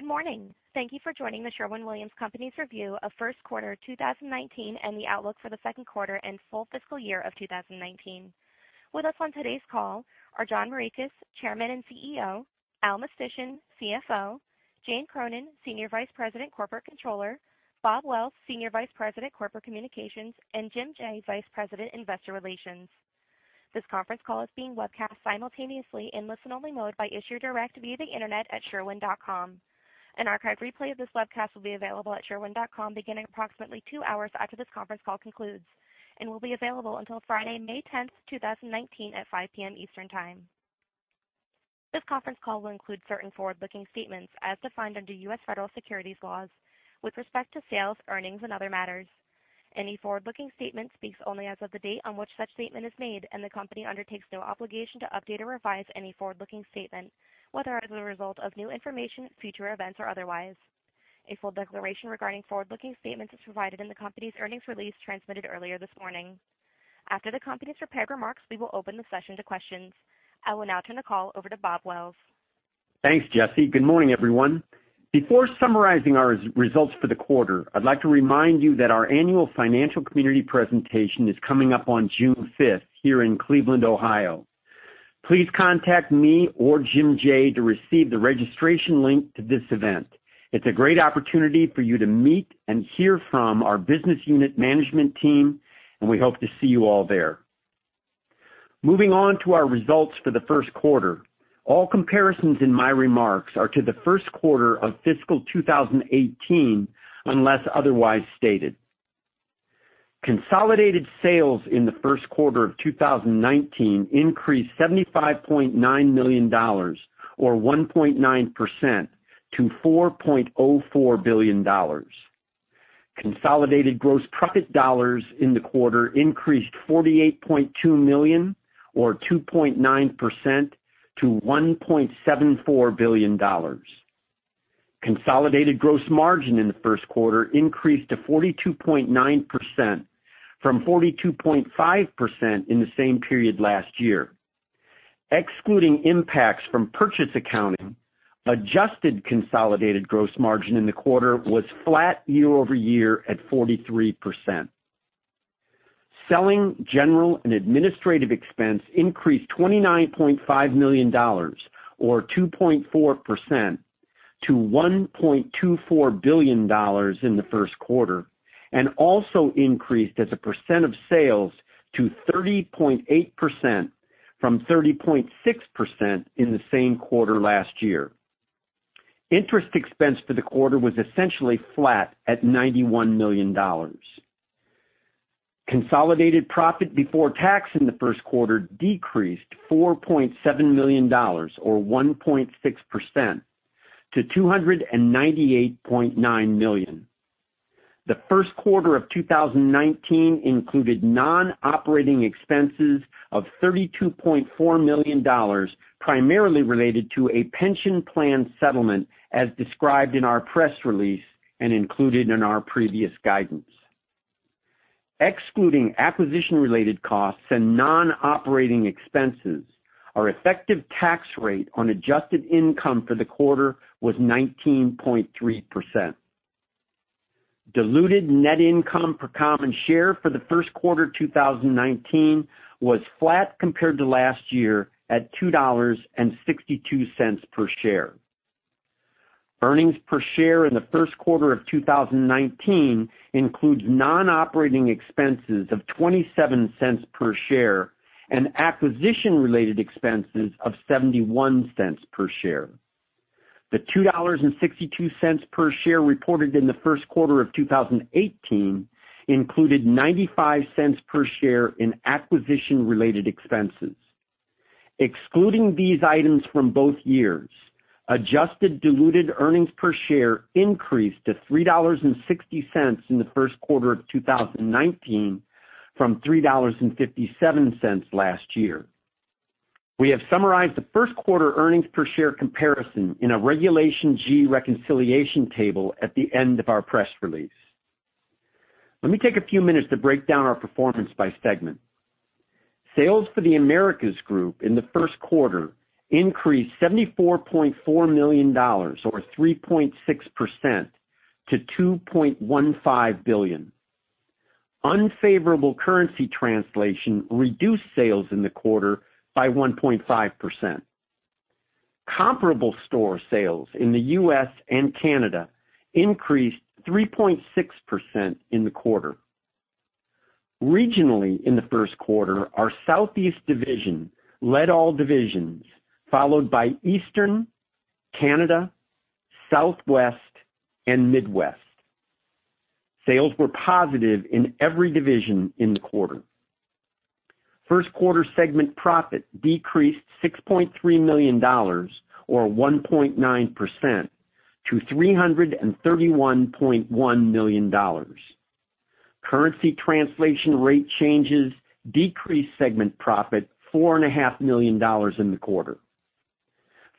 Good morning. Thank you for joining The Sherwin-Williams Company's review of first quarter 2019 and the outlook for the second quarter and full fiscal year of 2019. With us on today's call are John Morikis, Chairman and CEO, Al Mistysyn, CFO, Jane Cronin, Senior Vice President Corporate Controller, Bob Wells, Senior Vice President Corporate Communications, and Jim Jaye, Vice President Investor Relations. This conference call is being webcast simultaneously in listen-only mode by Issuer Direct via the internet at sherwin.com. An archive replay of this webcast will be available at sherwin.com beginning approximately two hours after this conference call concludes and will be available until Friday, May 10th, 2019 at 5:00 P.M. Eastern Time. This conference call will include certain forward-looking statements as defined under U.S. federal securities laws with respect to sales, earnings, and other matters. Any forward-looking statement speaks only as of the date on which such statement is made. The company undertakes no obligation to update or revise any forward-looking statement, whether as a result of new information, future events, or otherwise. A full declaration regarding forward-looking statements is provided in the company's earnings release transmitted earlier this morning. After the company's prepared remarks, we will open the session to questions. I will now turn the call over to Bob Wells. Thanks, Jesse. Good morning, everyone. Before summarizing our results for the quarter, I'd like to remind you that our annual financial community presentation is coming up on June fifth here in Cleveland, Ohio. Please contact me or Jim Jaye to receive the registration link to this event. It's a great opportunity for you to meet and hear from our business unit management team. We hope to see you all there. Moving on to our results for the first quarter. All comparisons in my remarks are to the first quarter of fiscal 2018, unless otherwise stated. Consolidated sales in the first quarter of 2019 increased $75.9 million or 1.9% to $4.04 billion. Consolidated gross profit dollars in the quarter increased $48.2 million or 2.9% to $1.74 billion. Consolidated gross margin in the first quarter increased to 42.9% from 42.5% in the same period last year. Excluding impacts from purchase accounting, adjusted consolidated gross margin in the quarter was flat year-over-year at 43%. Selling, general and administrative expense increased $29.5 million or 2.4% to $1.24 billion in the first quarter. Also increased as a percent of sales to 30.8% from 30.6% in the same quarter last year. Interest expense for the quarter was essentially flat at $91 million. Consolidated profit before tax in the first quarter decreased $4.7 million or 1.6% to $298.9 million. The first quarter of 2019 included non-operating expenses of $32.4 million, primarily related to a pension plan settlement as described in our press release and included in our previous guidance. Excluding acquisition-related costs and non-operating expenses, our effective tax rate on adjusted income for the quarter was 19.3%. Diluted net income per common share for the first quarter 2019 was flat compared to last year at $2.62 per share. Earnings per share in the first quarter of 2019 includes non-operating expenses of $0.27 per share and acquisition-related expenses of $0.71 per share. The $2.62 per share reported in the first quarter of 2018 included $0.95 per share in acquisition-related expenses. Excluding these items from both years, adjusted diluted earnings per share increased to $3.60 in the first quarter of 2019 from $3.57 last year. We have summarized the first quarter earnings per share comparison in a Regulation G reconciliation table at the end of our press release. Let me take a few minutes to break down our performance by segment. Sales for the Americas Group in the first quarter increased $74.4 million or 3.6% to $2.15 billion. Unfavorable currency translation reduced sales in the quarter by 1.5%. Comparable store sales in the U.S. and Canada increased 3.6% in the quarter. Regionally in the first quarter, our Southeast division led all divisions, followed by Eastern, Canada, Southwest, and Midwest. Sales were positive in every division in the quarter. First quarter segment profit decreased $6.3 million or 1.9% to $331.1 million. Currency translation rate changes decreased segment profit $4.5 million in the quarter.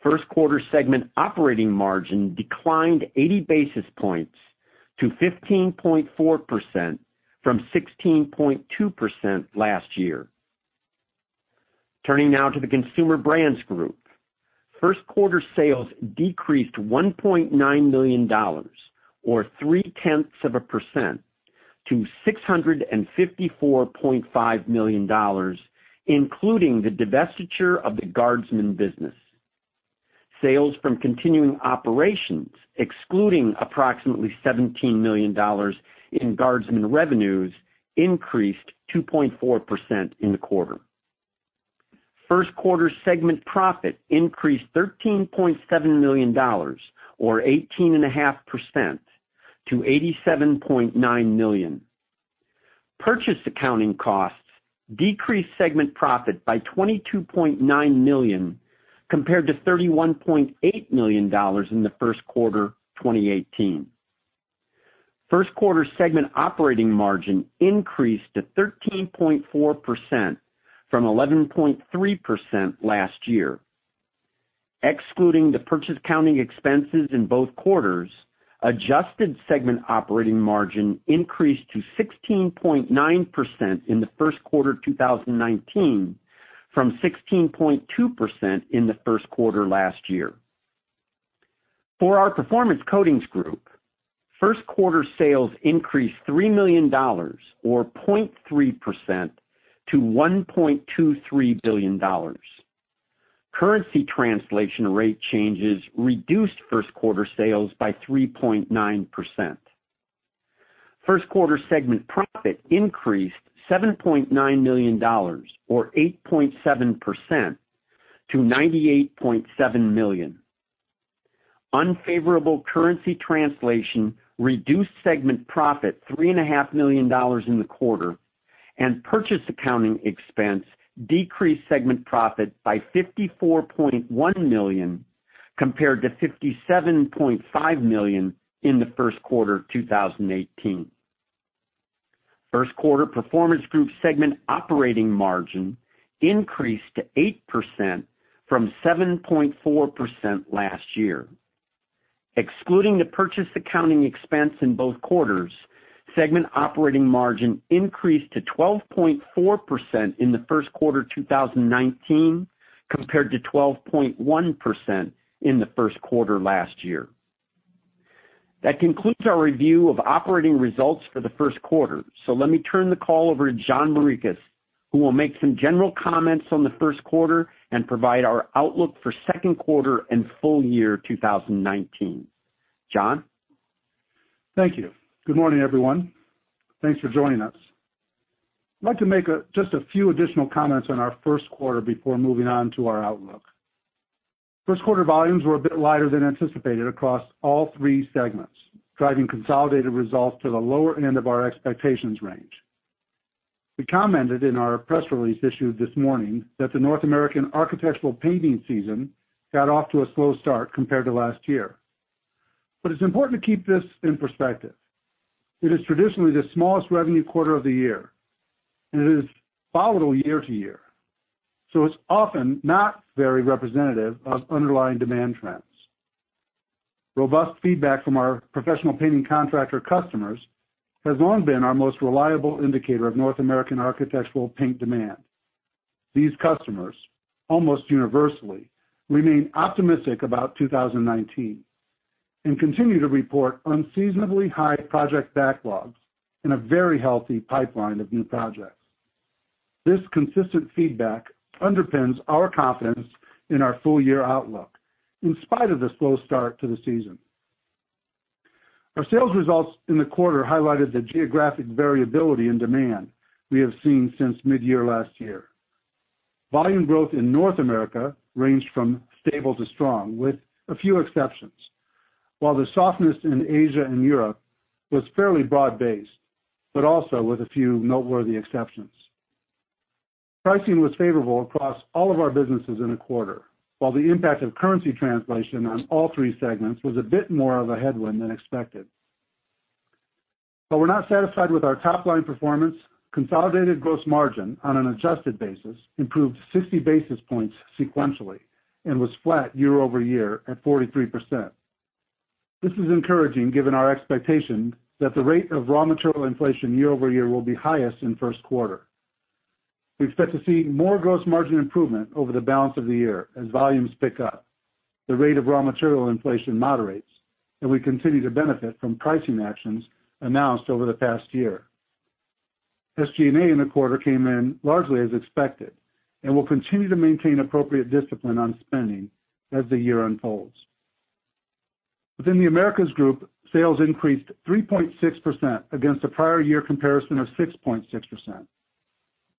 First quarter segment operating margin declined 80 basis points to 15.4% from 16.2% last year. Turning now to the Consumer Brands Group. First quarter sales decreased $1.9 million, or 0.3%, to $654.5 million, including the divestiture of the Guardsman business. Sales from continuing operations, excluding approximately $17 million in Guardsman revenues, increased 2.4% in the quarter. First quarter segment profit increased $13.7 million or 18.5% to $87.9 million. Purchase accounting costs decreased segment profit by $22.9 million compared to $31.8 million in the first quarter 2018. First quarter segment operating margin increased to 13.4% from 11.3% last year. Excluding the purchase accounting expenses in both quarters, adjusted segment operating margin increased to 16.9% in the first quarter 2019 from 16.2% in the first quarter last year. For our Performance Coatings Group, first quarter sales increased $3 million or 0.3% to $1.23 billion. Currency translation rate changes reduced first quarter sales by 3.9%. First quarter segment profit increased $7.9 million or 8.7% to $98.7 million. Unfavorable currency translation reduced segment profit $3.5 million in the quarter, and purchase accounting expense decreased segment profit by $54.1 million compared to $57.5 million in the first quarter 2018. First quarter Performance Coatings Group segment operating margin increased to 8% from 7.4% last year. Excluding the purchase accounting expense in both quarters, segment operating margin increased to 12.4% in the first quarter 2019 compared to 12.1% in the first quarter last year. That concludes our review of operating results for the first quarter. Let me turn the call over to John Morikis, who will make some general comments on the first quarter and provide our outlook for second quarter and full year 2019. John? Thank you. Good morning, everyone. Thanks for joining us. I'd like to make just a few additional comments on our first quarter before moving on to our outlook. First quarter volumes were a bit lighter than anticipated across all 3 segments, driving consolidated results to the lower end of our expectations range. We commented in our press release issued this morning that the North American architectural painting season got off to a slow start compared to last year. It's important to keep this in perspective. It is traditionally the smallest revenue quarter of the year, and it is volatile year-to-year, so it's often not very representative of underlying demand trends. Robust feedback from our professional painting contractor customers has long been our most reliable indicator of North American architectural paint demand. These customers, almost universally, remain optimistic about 2019 and continue to report unseasonably high project backlogs and a very healthy pipeline of new projects. This consistent feedback underpins our confidence in our full-year outlook, in spite of the slow start to the season. Our sales results in the quarter highlighted the geographic variability in demand we have seen since mid-year last year. Volume growth in North America ranged from stable to strong, with a few exceptions, while the softness in Asia and Europe was fairly broad-based, but also with a few noteworthy exceptions. Pricing was favorable across all of our businesses in the quarter, while the impact of currency translation on all 3 segments was a bit more of a headwind than expected. We're not satisfied with our top-line performance. Consolidated gross margin on an adjusted basis improved 60 basis points sequentially and was flat year-over-year at 43%. This is encouraging given our expectation that the rate of raw material inflation year-over-year will be highest in first quarter. We expect to see more gross margin improvement over the balance of the year as volumes pick up, the rate of raw material inflation moderates, and we continue to benefit from pricing actions announced over the past year. SG&A in the quarter came in largely as expected and will continue to maintain appropriate discipline on spending as the year unfolds. Within The Americas Group, sales increased 3.6% against a prior year comparison of 6.6%.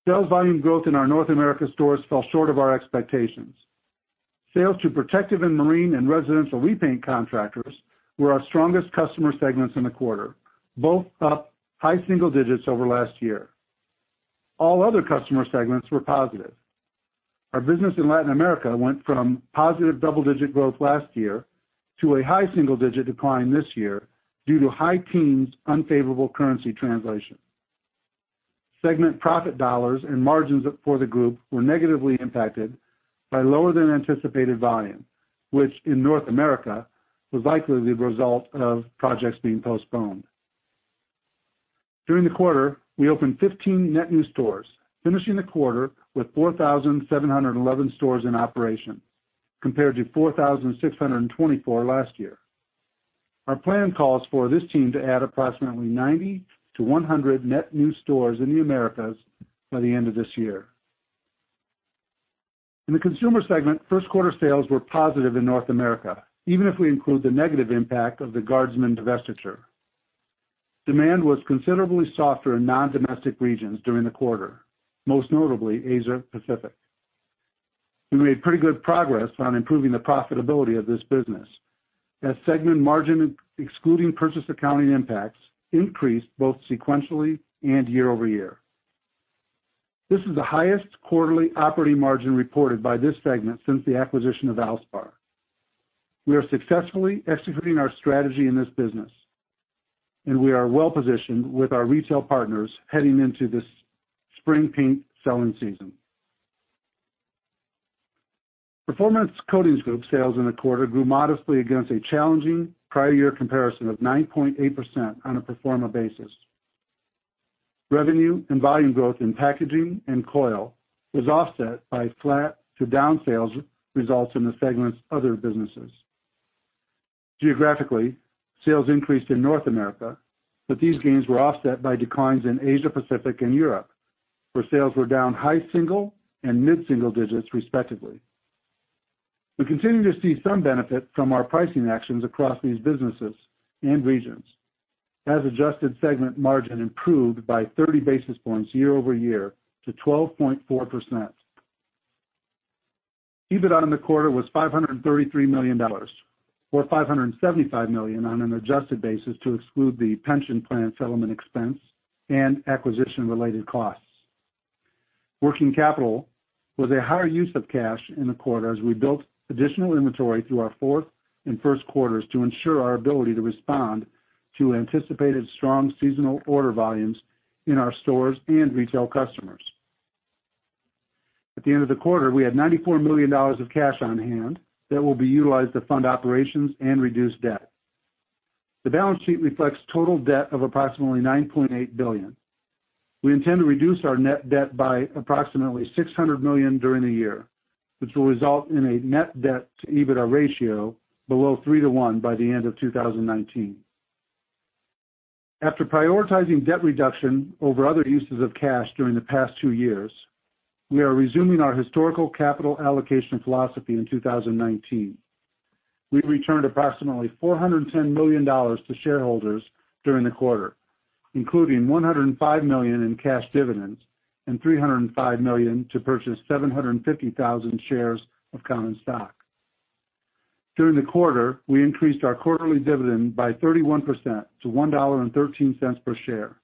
Sales volume growth in our North America stores fell short of our expectations. Sales to protective and marine and residential repaint contractors were our strongest customer segments in the quarter, both up high single digits over last year. All other customer segments were positive. Our business in Latin America went from positive double-digit growth last year to a high single-digit decline this year due to high teens unfavorable currency translation. Segment profit dollars and margins for the group were negatively impacted by lower than anticipated volume, which in North America was likely the result of projects being postponed. During the quarter, we opened 15 net new stores, finishing the quarter with 4,711 stores in operation, compared to 4,624 last year. Our plan calls for this team to add approximately 90 to 100 net new stores in The Americas by the end of this year. In the Consumer segment, first quarter sales were positive in North America, even if we include the negative impact of the Guardsman divestiture. Demand was considerably softer in non-domestic regions during the quarter, most notably Asia Pacific. We made pretty good progress on improving the profitability of this business, as segment margin, excluding purchase accounting impacts, increased both sequentially and year-over-year. This is the highest quarterly operating margin reported by this segment since the acquisition of Valspar. We are successfully executing our strategy in this business, and we are well-positioned with our retail partners heading into this spring paint selling season. Performance Coatings Group sales in the quarter grew modestly against a challenging prior year comparison of 9.8% on a pro forma basis. Revenue and volume growth in packaging and coil was offset by flat to down sales results in the segment's other businesses. Geographically, sales increased in North America, but these gains were offset by declines in Asia Pacific and Europe, where sales were down high single and mid-single digits, respectively. We continue to see some benefit from our pricing actions across these businesses and regions as adjusted segment margin improved by 30 basis points year-over-year to 12.4%. EBIT on the quarter was $533 million, or $575 million on an adjusted basis to exclude the pension plan settlement expense and acquisition related costs. Working capital was a higher use of cash in the quarter as we built additional inventory through our fourth and first quarters to ensure our ability to respond to anticipated strong seasonal order volumes in our stores and retail customers. At the end of the quarter, we had $94 million of cash on hand that will be utilized to fund operations and reduce debt. The balance sheet reflects total debt of approximately $9.8 billion. We intend to reduce our net debt by approximately $600 million during the year, which will result in a net debt to EBITDA ratio below three to one by the end of 2019. After prioritizing debt reduction over other uses of cash during the past two years, we are resuming our historical capital allocation philosophy in 2019. We returned approximately $410 million to shareholders during the quarter, including $105 million in cash dividends and $305 million to purchase 750,000 shares of common stock. During the quarter, we increased our quarterly dividend by 31% to $1.13 per share.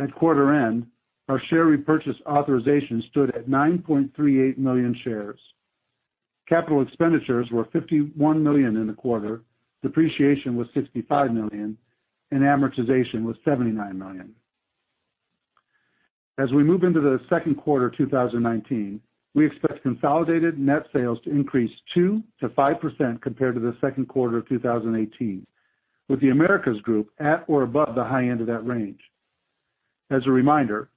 At quarter end, our share repurchase authorization stood at 9.38 million shares. Capital expenditures were $51 million in the quarter, depreciation was $65 million, and amortization was $79 million. As we move into the second quarter 2019, we expect consolidated net sales to increase 2%-5% compared to the second quarter of 2018, with the Americas Group at or above the high end of that range. As a reminder,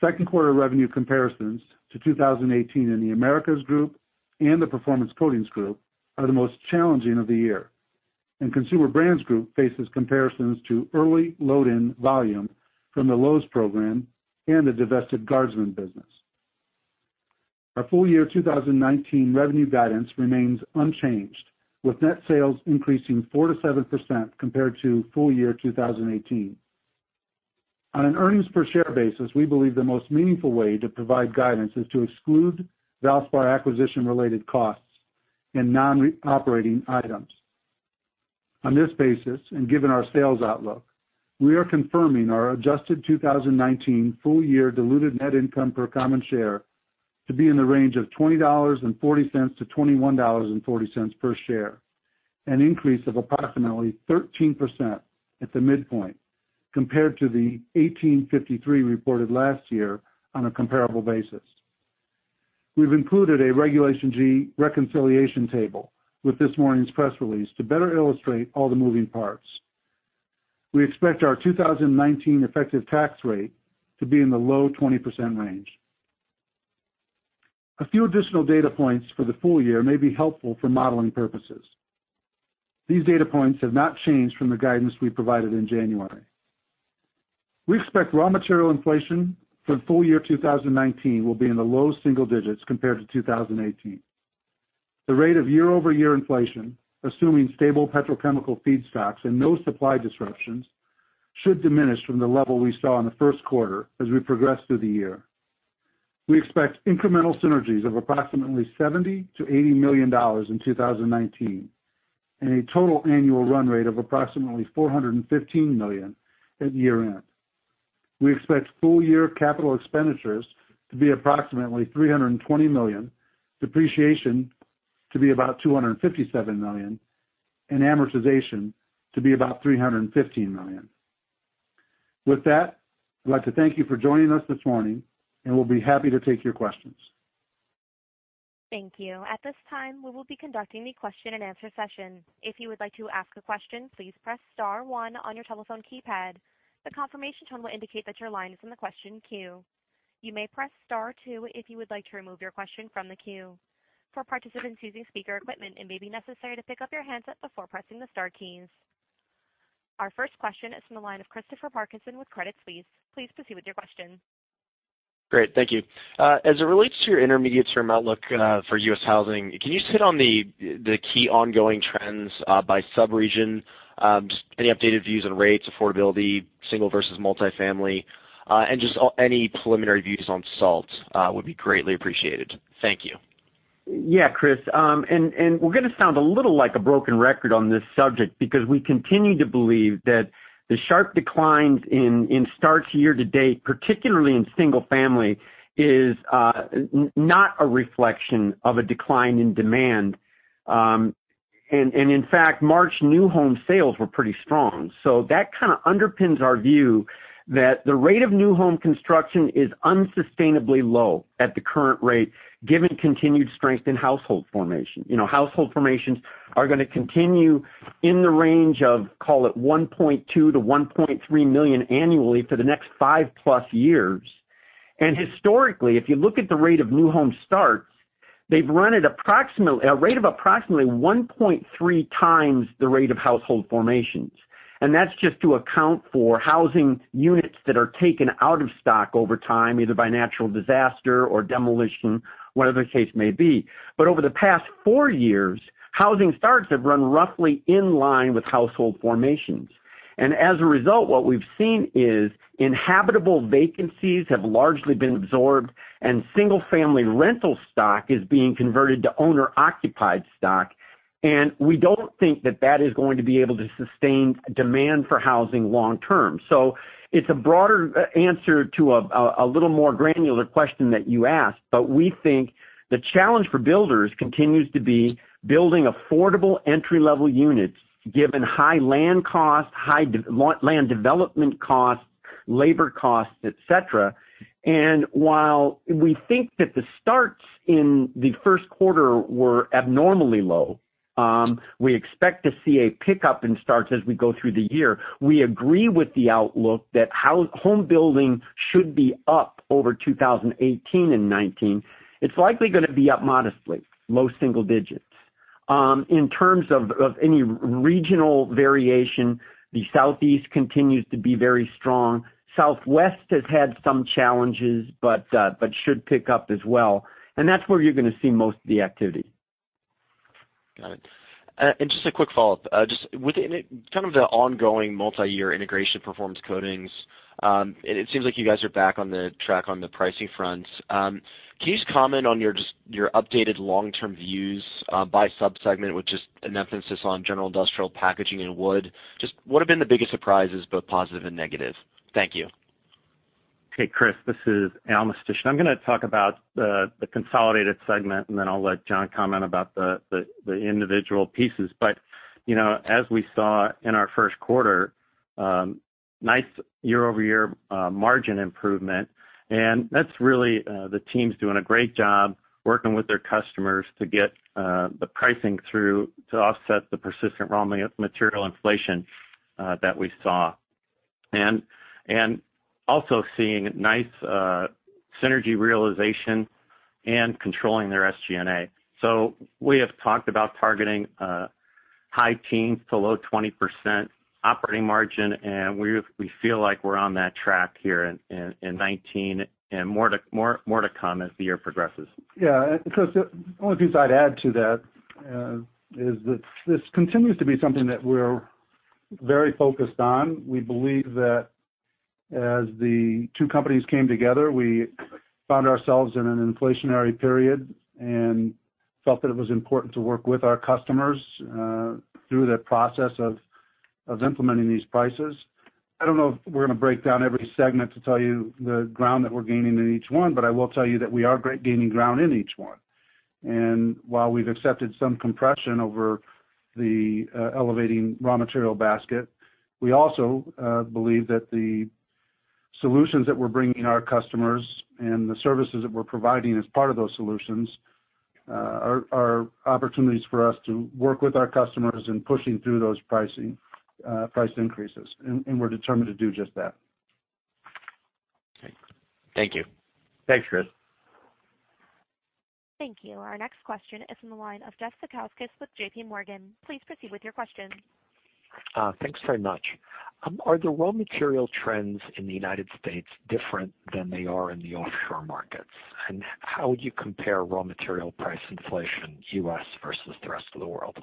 second quarter revenue comparisons to 2018 in the Americas Group and the Performance Coatings Group are the most challenging of the year. Consumer Brands Group faces comparisons to early load-in volume from the Lowe's program and the divested Guardsman business. Our full year 2019 revenue guidance remains unchanged, with net sales increasing 4%-7% compared to full year 2018. On an earnings per share basis, we believe the most meaningful way to provide guidance is to exclude Valspar acquisition related costs and non-operating items. On this basis, given our sales outlook, we are confirming our adjusted 2019 full year diluted net income per common share to be in the range of $20.40-$21.40 per share, an increase of approximately 13% at the midpoint compared to the $18.53 reported last year on a comparable basis. We've included a Regulation G reconciliation table with this morning's press release to better illustrate all the moving parts. We expect our 2019 effective tax rate to be in the low 20% range. A few additional data points for the full year may be helpful for modeling purposes. These data points have not changed from the guidance we provided in January. We expect raw material inflation for the full year 2019 will be in the low single digits compared to 2018. The rate of year-over-year inflation, assuming stable petrochemical feedstocks and no supply disruptions, should diminish from the level we saw in the first quarter as we progress through the year. We expect incremental synergies of approximately $70 million-$80 million in 2019, and a total annual run rate of approximately $415 million at year-end. We expect full year capital expenditures to be approximately $320 million, depreciation to be about $257 million, and amortization to be about $315 million. With that, I'd like to thank you for joining us this morning. We'll be happy to take your questions. Thank you. At this time, we will be conducting the question and answer session. If you would like to ask a question, please press star one on your telephone keypad. The confirmation tone will indicate that your line is in the question queue. You may press star two if you would like to remove your question from the queue. For participants using speaker equipment, it may be necessary to pick up your handset before pressing the star keys. Our first question is from the line of Christopher Parkinson with Credit Suisse. Please proceed with your question. Great. Thank you. As it relates to your intermediate-term outlook for U.S. housing, can you hit on the key ongoing trends by sub-region? Any updated views on rates, affordability, single versus multifamily, and just any preliminary views on SALT would be greatly appreciated. Thank you. Yeah, Chris. We're going to sound a little like a broken record on this subject because we continue to believe that the sharp declines in starts year to date, particularly in single family, is not a reflection of a decline in demand. In fact, March new home sales were pretty strong. That kind of underpins our view that the rate of new home construction is unsustainably low at the current rate, given continued strength in household formation. Household formations are going to continue in the range of, call it, 1.2 million to 1.3 million annually for the next 5+ years. Historically, if you look at the rate of new home starts, they've run at a rate of approximately 1.3 times the rate of household formations. That's just to account for housing units that are taken out of stock over time, either by natural disaster or demolition, whatever the case may be. Over the past four years, housing starts have run roughly in line with household formations. As a result, what we've seen is inhabitable vacancies have largely been absorbed and single-family rental stock is being converted to owner-occupied stock, and we don't think that that is going to be able to sustain demand for housing long term. It's a broader answer to a little more granular question that you asked, we think the challenge for builders continues to be building affordable entry-level units, given high land costs, high land development costs, labor costs, et cetera. While we think that the starts in the first quarter were abnormally low, we expect to see a pickup in starts as we go through the year. We agree with the outlook that home building should be up over 2018 and 2019. It's likely going to be up modestly, low single digits. In terms of any regional variation, the Southeast continues to be very strong. Southwest has had some challenges, should pick up as well. That's where you're going to see most of the activity. Got it. Just a quick follow-up. Just within kind of the ongoing multi-year integration Performance Coatings, it seems like you guys are back on track on the pricing front. Can you just comment on your updated long-term views by sub-segment with just an emphasis on general industrial packaging and wood? Just what have been the biggest surprises, both positive and negative? Thank you. Hey, Chris, this is Al Mistysyn. I'm going to talk about the consolidated segment, then I'll let John comment about the individual pieces. As we saw in our first quarter, nice year-over-year margin improvement. That's really the teams doing a great job working with their customers to get the pricing through to offset the persistent raw material inflation that we saw. Also seeing nice synergy realization and controlling their SG&A. We have talked about targeting high teens to low 20% operating margin, and we feel like we're on that track here in 2019, and more to come as the year progresses. Yeah. Chris, the only piece I'd add to that is that this continues to be something that we're very focused on. We believe that as the two companies came together, we found ourselves in an inflationary period and felt that it was important to work with our customers through the process of implementing these prices. I don't know if we're going to break down every segment to tell you the ground that we're gaining in each one, but I will tell you that we are gaining ground in each one. While we've accepted some compression over the elevating raw material basket, we also believe that the solutions that we're bringing our customers and the services that we're providing as part of those solutions are opportunities for us to work with our customers in pushing through those price increases, and we're determined to do just that. Okay. Thank you. Thanks, Chris. Thank you. Our next question is from the line of Jeff Zekauskas with J.P. Morgan. Please proceed with your question. Thanks very much. Are the raw material trends in the U.S. different than they are in the offshore markets? How would you compare raw material price inflation U.S. versus the rest of the world?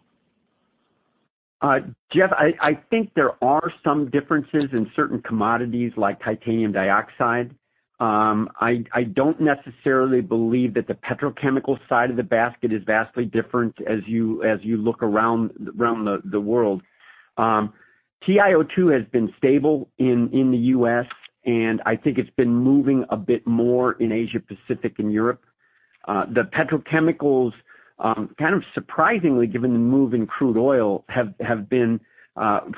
Jeff, I think there are some differences in certain commodities like titanium dioxide. I don't necessarily believe that the petrochemical side of the basket is vastly different as you look around the world. TiO2 has been stable in the U.S., and I think it's been moving a bit more in Asia-Pacific and Europe. The petrochemicals. Kind of surprisingly, given the move in crude oil, have been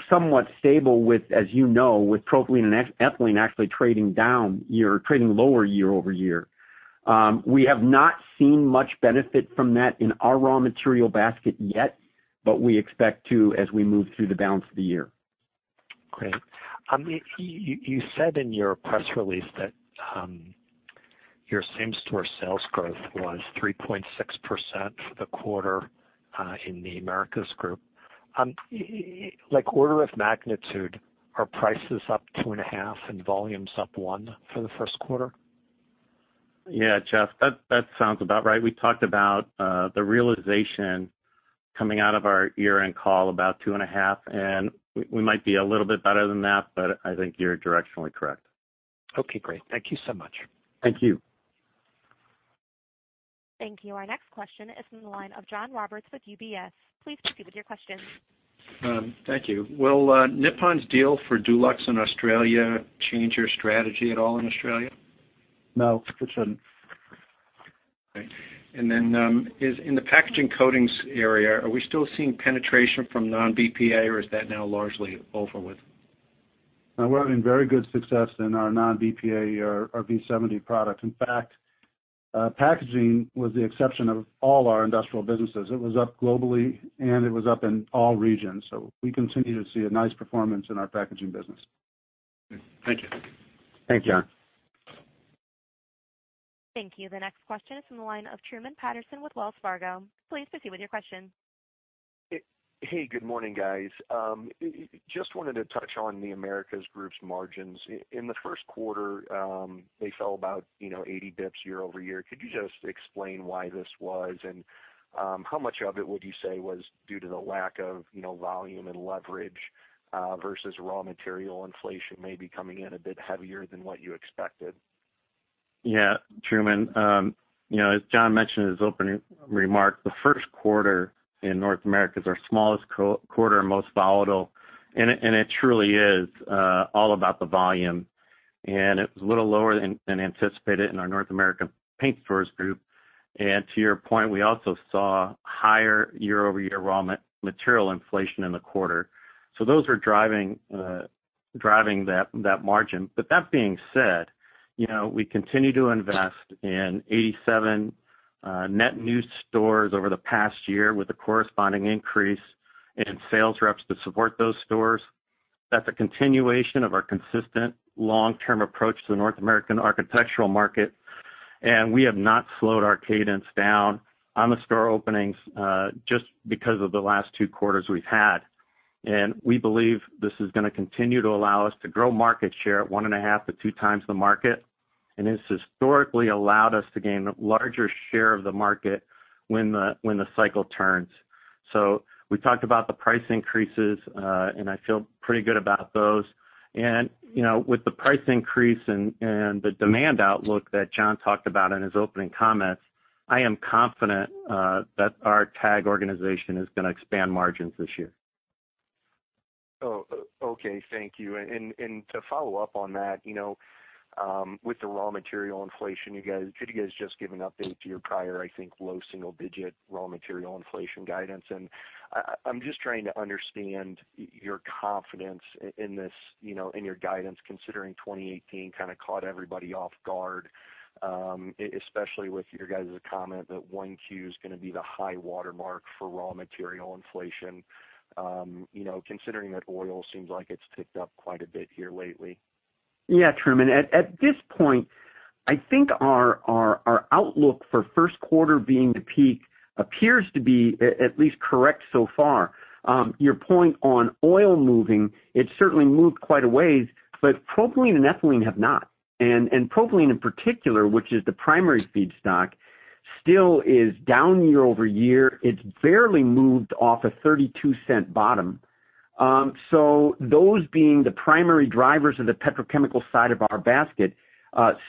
somewhat stable with, as you know, with propylene and ethylene actually trading lower year over year. We have not seen much benefit from that in our raw material basket yet, but we expect to as we move through the balance of the year. Great. You said in your press release that your same-store sales growth was 3.6% for the quarter in The Americas Group. Like order of magnitude, are prices up 2.5% and volumes up 1% for the first quarter? Yeah, Jeff, that sounds about right. We talked about the realization coming out of our year-end call about 2.5%, and we might be a little bit better than that, but I think you're directionally correct. Okay, great. Thank you so much. Thank you. Thank you. Our next question is in the line of John Roberts with UBS. Please proceed with your question. Thank you. Will Nippon's deal for Dulux in Australia change your strategy at all in Australia? No, it shouldn't. Okay. Then, in the packaging coatings area, are we still seeing penetration from non-BPA, or is that now largely over with? No, we're having very good success in our non-BPA, our V70 product. In fact, packaging was the exception of all our industrial businesses. It was up globally, and it was up in all regions. We continue to see a nice performance in our packaging business. Thank you. Thanks, John. Thank you. The next question is from the line of Truman Patterson with Wells Fargo. Please proceed with your question. Hey, good morning, guys. Just wanted to touch on The Americas Group's margins. In the first quarter, they fell about 80 bps year-over-year. Could you just explain why this was, how much of it would you say was due to the lack of volume and leverage versus raw material inflation maybe coming in a bit heavier than what you expected? Yeah. Truman, as John mentioned in his opening remarks, the first quarter in North America is our smallest quarter and most volatile, it truly is all about the volume. It was a little lower than anticipated in our North American Paint Stores group. To your point, we also saw higher year-over-year raw material inflation in the quarter. Those are driving that margin. That being said, we continue to invest in 87 net new stores over the past year with a corresponding increase in sales reps to support those stores. That's a continuation of our consistent long-term approach to the North American architectural market, we have not slowed our cadence down on the store openings just because of the last two quarters we've had. We believe this is going to continue to allow us to grow market share at one and a half to two times the market, it's historically allowed us to gain a larger share of the market when the cycle turns. We talked about the price increases, I feel pretty good about those. With the price increase and the demand outlook that John talked about in his opening comments, I am confident that our TAG organization is going to expand margins this year. Okay. Thank you. To follow up on that, with the raw material inflation, did you guys just give an update to your prior, I think, low single-digit raw material inflation guidance? I'm just trying to understand your confidence in your guidance, considering 2018 kind of caught everybody off guard, especially with your guys' comment that 1Q is going to be the high watermark for raw material inflation, considering that oil seems like it's ticked up quite a bit here lately. Yeah, Truman. At this point, I think our outlook for first quarter being the peak appears to be at least correct so far. Your point on oil moving, it certainly moved quite a ways, but propylene and ethylene have not. Propylene in particular, which is the primary feedstock, still is down year-over-year. It's barely moved off a $0.32 bottom. Those being the primary drivers of the petrochemical side of our basket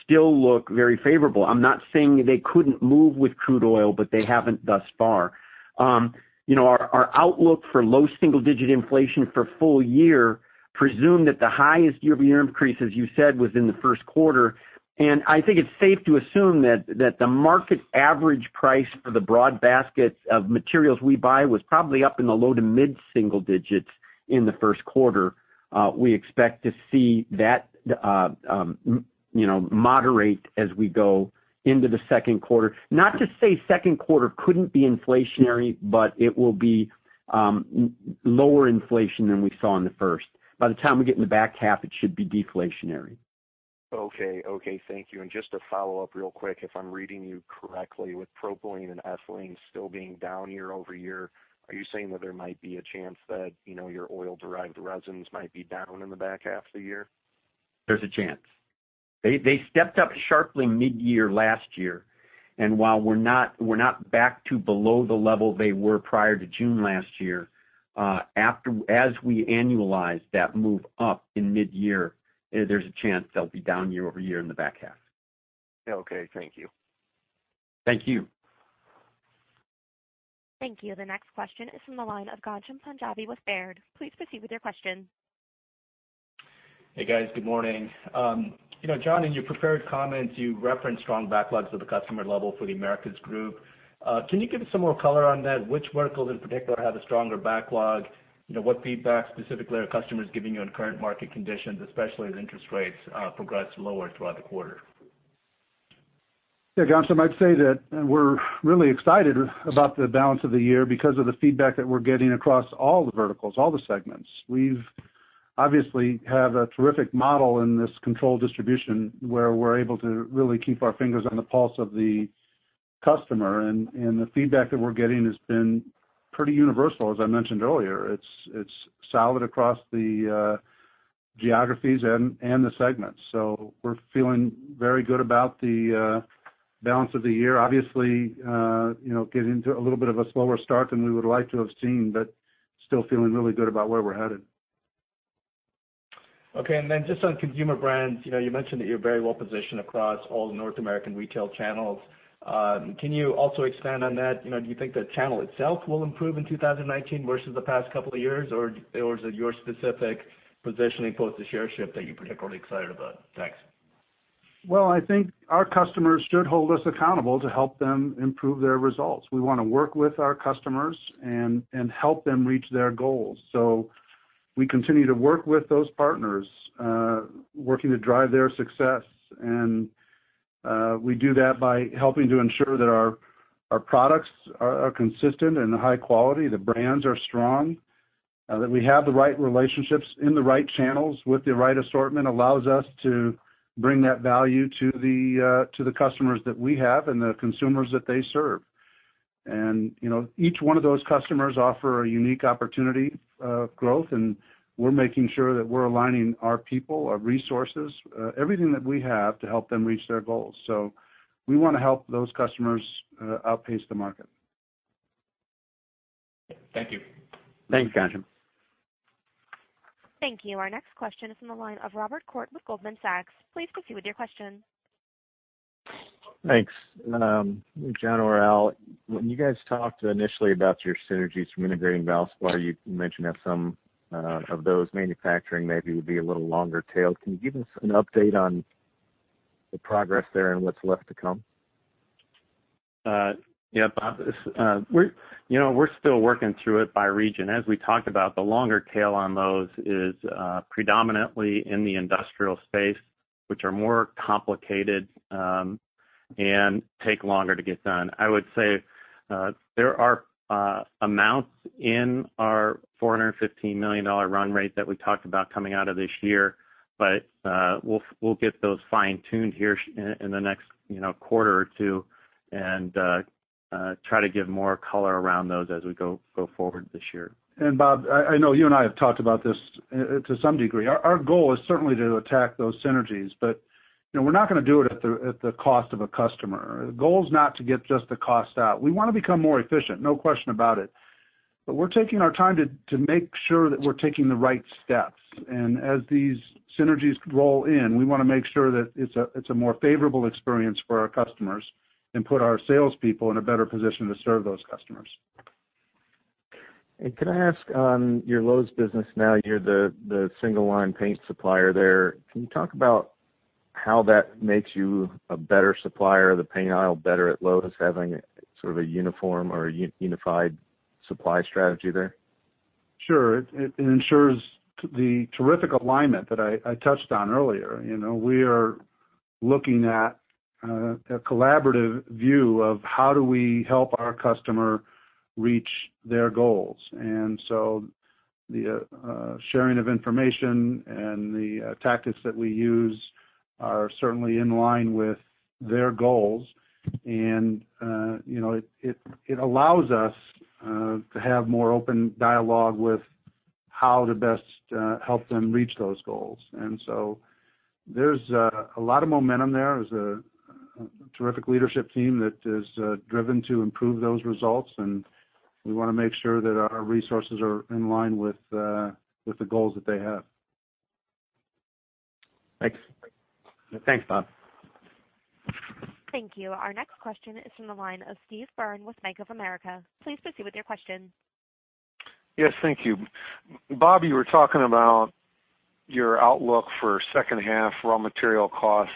still look very favorable. I'm not saying they couldn't move with crude oil, but they haven't thus far. Our outlook for low single-digit inflation for full year presumed that the highest year-over-year increase, as you said, was in the first quarter. I think it's safe to assume that the market average price for the broad basket of materials we buy was probably up in the low to mid single digits in the first quarter. We expect to see that moderate as we go into the second quarter. Not to say second quarter couldn't be inflationary, but it will be lower inflation than we saw in the first. By the time we get in the back half, it should be deflationary. Okay. Thank you. Just to follow up real quick, if I'm reading you correctly, with propylene and ethylene still being down year-over-year, are you saying that there might be a chance that your oil-derived resins might be down in the back half of the year? There's a chance. They stepped up sharply mid-year last year, and while we're not back to below the level they were prior to June last year, as we annualize that move up in mid-year, there's a chance they'll be down year-over-year in the back half. Okay. Thank you. Thank you. Thank you. The next question is from the line of Ghansham Panjabi with Baird. Please proceed with your question. Hey guys, good morning. John, in your prepared comments, you referenced strong backlogs at the customer level for The Americas Group. Can you give us some more color on that? Which verticals in particular have a stronger backlog? What feedback specifically are customers giving you on current market conditions, especially as interest rates progress lower throughout the quarter? Yeah, Ghansham, I might say that we're really excited about the balance of the year because of the feedback that we're getting across all the verticals, all the segments. We obviously have a terrific model in this controlled distribution, where we're able to really keep our fingers on the pulse of the customer. The feedback that we're getting has been pretty universal, as I mentioned earlier. It's solid across the geographies and the segments. We're feeling very good about the balance of the year. Obviously, getting to a little bit of a slower start than we would like to have seen, but still feeling really good about where we're headed. Okay, just on Consumer Brands, you mentioned that you're very well-positioned across all North American retail channels. Can you also expand on that? Do you think the channel itself will improve in 2019 versus the past couple of years? Or is it your specific positioning post the share shift that you're particularly excited about? Thanks. Well, I think our customers should hold us accountable to help them improve their results. We want to work with our customers and help them reach their goals. We continue to work with those partners, working to drive their success, and we do that by helping to ensure that our products are consistent and high quality, the brands are strong, that we have the right relationships in the right channels with the right assortment allows us to bring that value to the customers that we have and the consumers that they serve. Each one of those customers offer a unique opportunity of growth, and we're making sure that we're aligning our people, our resources, everything that we have, to help them reach their goals. We want to help those customers outpace the market. Thank you. Thanks, Ghansham. Thank you. Our next question is from the line of Robert Koort with Goldman Sachs. Please proceed with your question. Thanks. John or Al, when you guys talked initially about your synergies from integrating Valspar, you mentioned that some of those manufacturing maybe would be a little longer tail. Can you give us an update on the progress there and what is left to come? Yeah, Bob, we are still working through it by region. As we talked about, the longer tail on those is predominantly in the industrial space, which are more complicated and take longer to get done. I would say there are amounts in our $415 million run rate that we talked about coming out of this year, but we will get those fine-tuned here in the next quarter or two and try to give more color around those as we go forward this year. Bob, I know you and I have talked about this to some degree. Our goal is certainly to attack those synergies, but we're not going to do it at the cost of a customer. The goal is not to get just the cost out. We want to become more efficient, no question about it. We're taking our time to make sure that we're taking the right steps. As these synergies roll in, we want to make sure that it's a more favorable experience for our customers and put our salespeople in a better position to serve those customers. Could I ask on your Lowe's business now, you're the single-line paint supplier there. Can you talk about how that makes you a better supplier of the paint aisle, better at Lowe's, having sort of a uniform or unified supply strategy there? Sure. It ensures the terrific alignment that I touched on earlier. We are looking at a collaborative view of how do we help our customer reach their goals. The sharing of information and the tactics that we use are certainly in line with their goals. It allows us to have more open dialogue with how to best help them reach those goals. There's a lot of momentum there's a terrific leadership team that is driven to improve those results, and we want to make sure that our resources are in line with the goals that they have. Thanks. Thanks, Bob. Thank you. Our next question is from the line of Steve Byrne with Bank of America. Please proceed with your question. Yes, thank you. Bob, you were talking about your outlook for second half raw material costs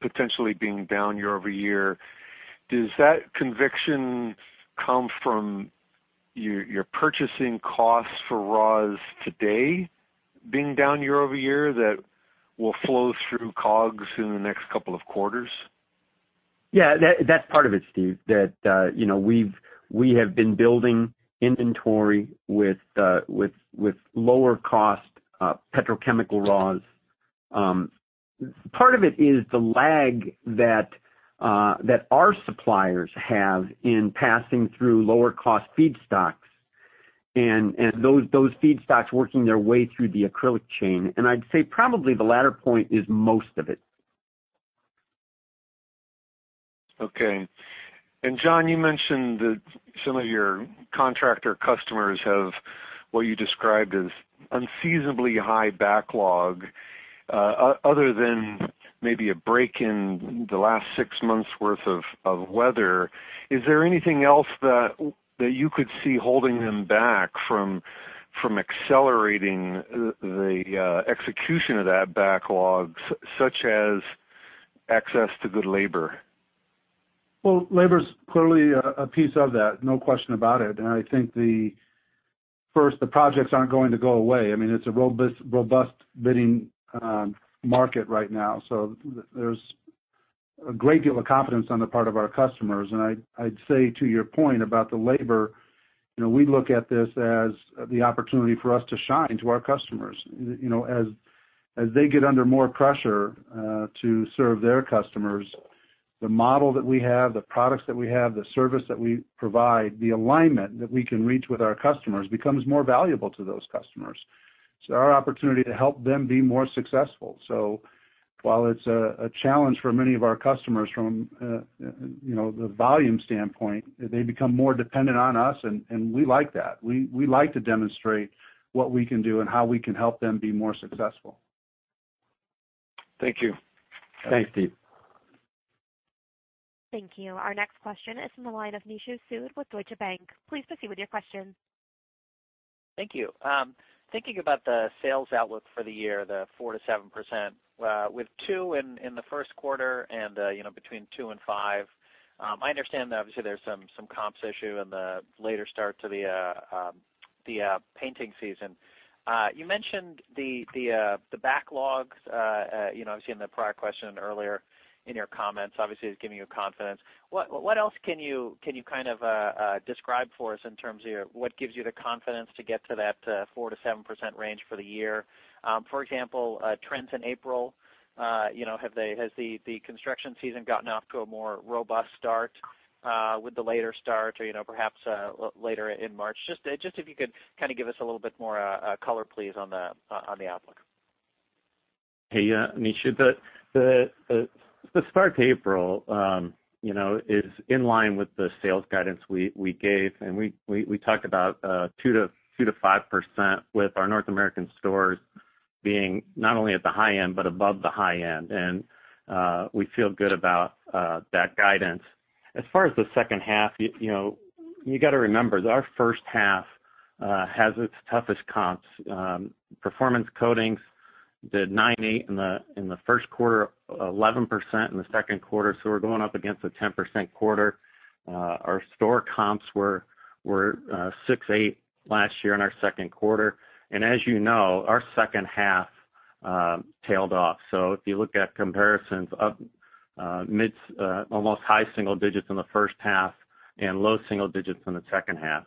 potentially being down year-over-year. Does that conviction come from your purchasing costs for raws today being down year-over-year that will flow through COGS in the next couple of quarters? Yeah, that's part of it, Steve, that we have been building inventory with lower cost petrochemical raws. Part of it is the lag that our suppliers have in passing through lower cost feedstocks and those feedstocks working their way through the acrylic chain, and I'd say probably the latter point is most of it. Okay. John, you mentioned that some of your contractor customers have what you described as unseasonably high backlogs. Other than maybe a break in the last six months worth of weather, is there anything else that you could see holding them back from accelerating the execution of that backlog, such as access to good labor? Well, labor's clearly a piece of that, no question about it. I think first, the projects aren't going to go away. It's a robust bidding market right now. There's a great deal of confidence on the part of our customers. I'd say to your point about the labor, we look at this as the opportunity for us to shine to our customers. As they get under more pressure to serve their customers, the model that we have, the products that we have, the service that we provide, the alignment that we can reach with our customers becomes more valuable to those customers. Our opportunity to help them be more successful. While it's a challenge for many of our customers from the volume standpoint, they become more dependent on us, and we like that. We like to demonstrate what we can do and how we can help them be more successful. Thank you. Thanks, Steve. Thank you. Our next question is from the line of Nishu Sood with Deutsche Bank. Please proceed with your question. Thank you. Thinking about the sales outlook for the year, the 4%-7%, with 2% in the first quarter and between 2% and 5%. I understand, obviously, there's some comps issue and the later start to the painting season. You mentioned the backlogs, obviously in the prior question earlier in your comments, obviously it's giving you confidence. What else can you kind of describe for us in terms of what gives you the confidence to get to that 4%-7% range for the year? For example, trends in April, has the construction season gotten off to a more robust start with the later start or perhaps later in March? Just if you could kind of give us a little bit more color, please, on the outlook. Hey, Nishu. The start to April is in line with the sales guidance we gave. We talked about 2%-5% with our North American stores being not only at the high end but above the high end. We feel good about that guidance. As far as the second half, you've got to remember that our first half has its toughest comps. Performance Coatings did 9.8% in the first quarter, 11% in the second quarter, so we're going up against a 10% quarter. Our store comps were 6.8% last year in our second quarter. As you know, our second half tailed off. If you look at comparisons of almost high single digits in the first half and low single digits in the second half.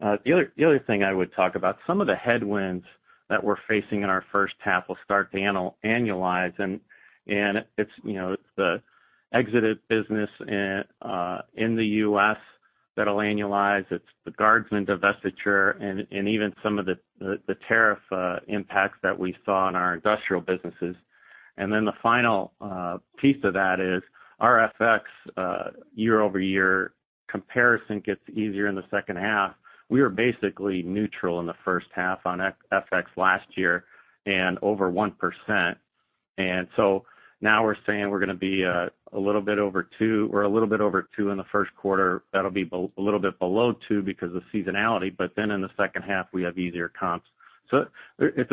The other thing I would talk about, some of the headwinds that we're facing in our first half will start to annualize. It's the exited business in the U.S. that'll annualize. It's the Guardsman divestiture and even some of the tariff impacts that we saw in our industrial businesses. The final piece of that is our FX year-over-year comparison gets easier in the second half. We are basically neutral in the first half on FX last year and over 1%. Now we're saying we're going to be a little bit over 2% in the first quarter. That'll be a little bit below 2% because of seasonality. In the second half, we have easier comps. It's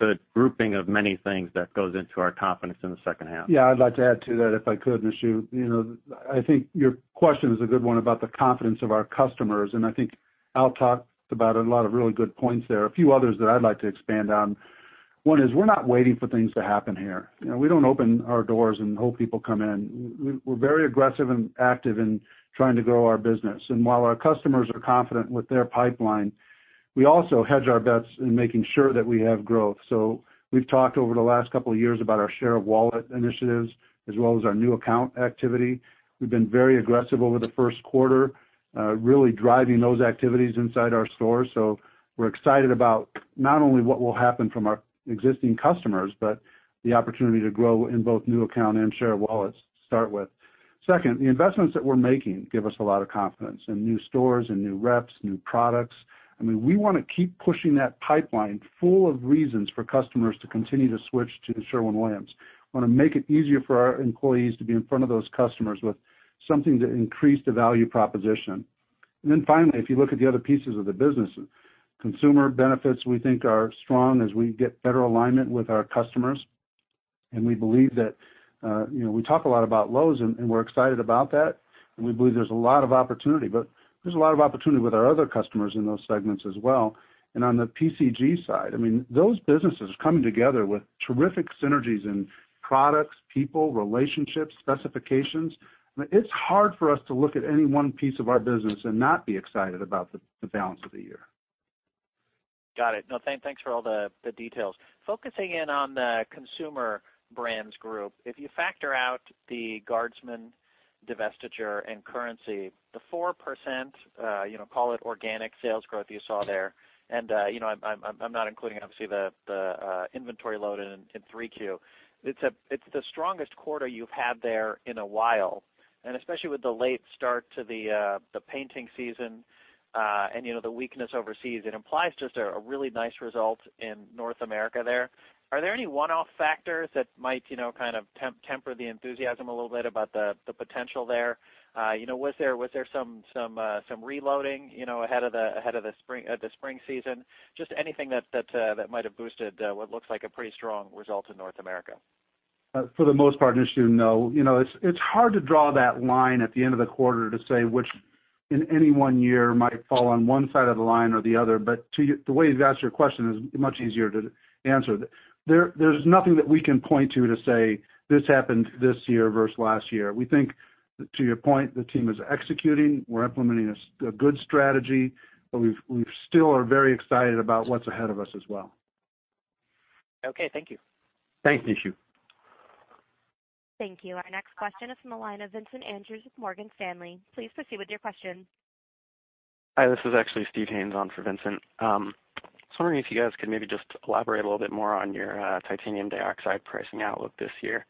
a grouping of many things that goes into our confidence in the second half. I'd like to add to that if I could, Nishu. I think your question is a good one about the confidence of our customers, and I think Al talked about a lot of really good points there. A few others that I'd like to expand on. One is we're not waiting for things to happen here. We don't open our doors and hope people come in. We're very aggressive and active in trying to grow our business. While our customers are confident with their pipeline, we also hedge our bets in making sure that we have growth. We've talked over the last couple of years about our share of wallet initiatives as well as our new account activity. We've been very aggressive over the first quarter, really driving those activities inside our stores. We're excited about not only what will happen from our existing customers, but the opportunity to grow in both new account and share of wallets to start with. Second, the investments that we're making give us a lot of confidence in new stores and new reps, new products. We want to keep pushing that pipeline full of reasons for customers to continue to switch to Sherwin-Williams. We want to make it easier for our employees to be in front of those customers with something to increase the value proposition. Finally, if you look at the other pieces of the business, consumer benefits we think are strong as we get better alignment with our customers. We believe that we talk a lot about Lowe's and we're excited about that, and we believe there's a lot of opportunity, there's a lot of opportunity with our other customers in those segments as well. On the PCG side, those businesses coming together with terrific synergies in products, people, relationships, specifications. It's hard for us to look at any one piece of our business and not be excited about the balance of the year. Got it. Thanks for all the details. Focusing in on the Consumer Brands Group, if you factor out the Guardsman divestiture and currency, the 4% call it organic sales growth you saw there, and I'm not including obviously the inventory load in 3Q, it's the strongest quarter you've had there in a while. Especially with the late start to the painting season, and the weakness overseas, it implies just a really nice result in North America there. Are there any one-off factors that might kind of temper the enthusiasm a little bit about the potential there? Was there some reloading ahead of the spring season? Just anything that might have boosted what looks like a pretty strong result in North America. For the most part, Nishu, no. It's hard to draw that line at the end of the quarter to say which in any one year might fall on one side of the line or the other. The way you've asked your question is much easier to answer. There's nothing that we can point to say this happened this year versus last year. We think, to your point, the team is executing. We're implementing a good strategy, but we still are very excited about what's ahead of us as well. Okay. Thank you. Thanks, Nishu. Thank you. Our next question is from the line of Vincent Andrews with Morgan Stanley. Please proceed with your question. Hi, this is actually Steven Haynes on for Vincent. I was wondering if you guys could maybe just elaborate a little bit more on your titanium dioxide pricing outlook this year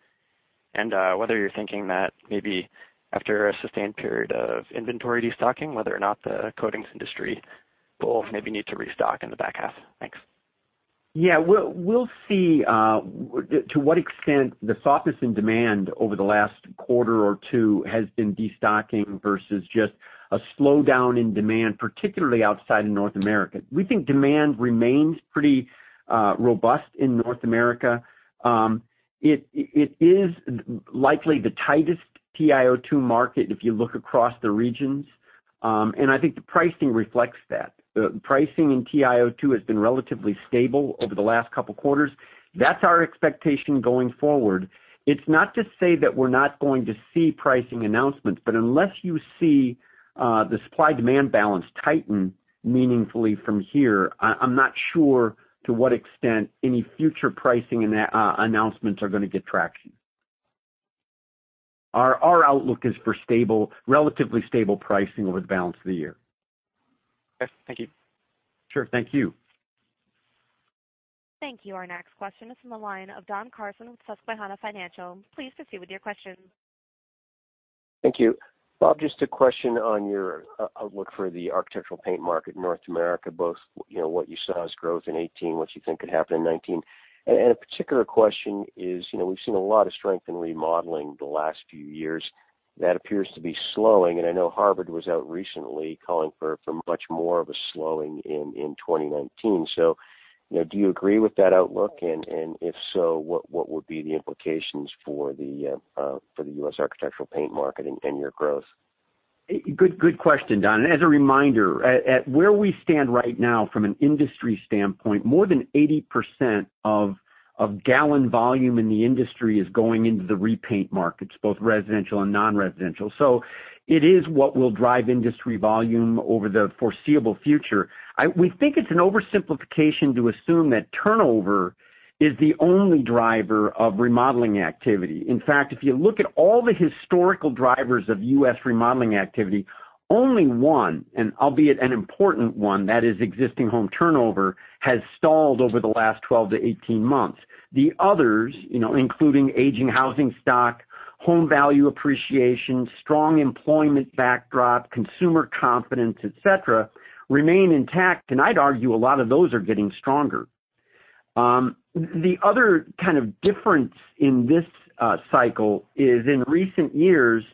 and whether you're thinking that maybe after a sustained period of inventory destocking, whether or not the coatings industry will maybe need to restock in the back half. Thanks. Yeah. We'll see to what extent the softness in demand over the last quarter or two has been destocking versus just a slowdown in demand, particularly outside of North America. We think demand remains pretty robust in North America. It is likely the tightest TiO2 market if you look across the regions, and I think the pricing reflects that. Pricing in TiO2 has been relatively stable over the last couple of quarters. That's our expectation going forward. It's not to say that we're not going to see pricing announcements, but unless you see the supply-demand balance tighten meaningfully from here, I'm not sure to what extent any future pricing announcements are going to get traction. Our outlook is for relatively stable pricing over the balance of the year. Okay. Thank you. Sure. Thank you. Thank you. Our next question is from the line of Don Carson with Susquehanna Financial. Please proceed with your question. Thank you. Bob, just a question on your outlook for the architectural paint market in North America, both what you saw as growth in 2018, what you think could happen in 2019. A particular question is, we've seen a lot of strength in remodeling the last few years. That appears to be slowing, and I know Harvard was out recently calling for much more of a slowing in 2019. Do you agree with that outlook? If so, what would be the implications for the U.S. architectural paint market and your growth? Good question, Don. As a reminder, where we stand right now from an industry standpoint, more than 80% of gallon volume in the industry is going into the repaint markets, both residential and non-residential. It is what will drive industry volume over the foreseeable future. We think it's an oversimplification to assume that turnover is the only driver of remodeling activity. In fact, if you look at all the historical drivers of U.S. remodeling activity, only one, and albeit an important one, that is existing home turnover, has stalled over the last 12 to 18 months. The others, including aging housing stock, home value appreciation, strong employment backdrop, consumer confidence, et cetera, remain intact. I'd argue a lot of those are getting stronger. The other kind of difference in this cycle is in recent years,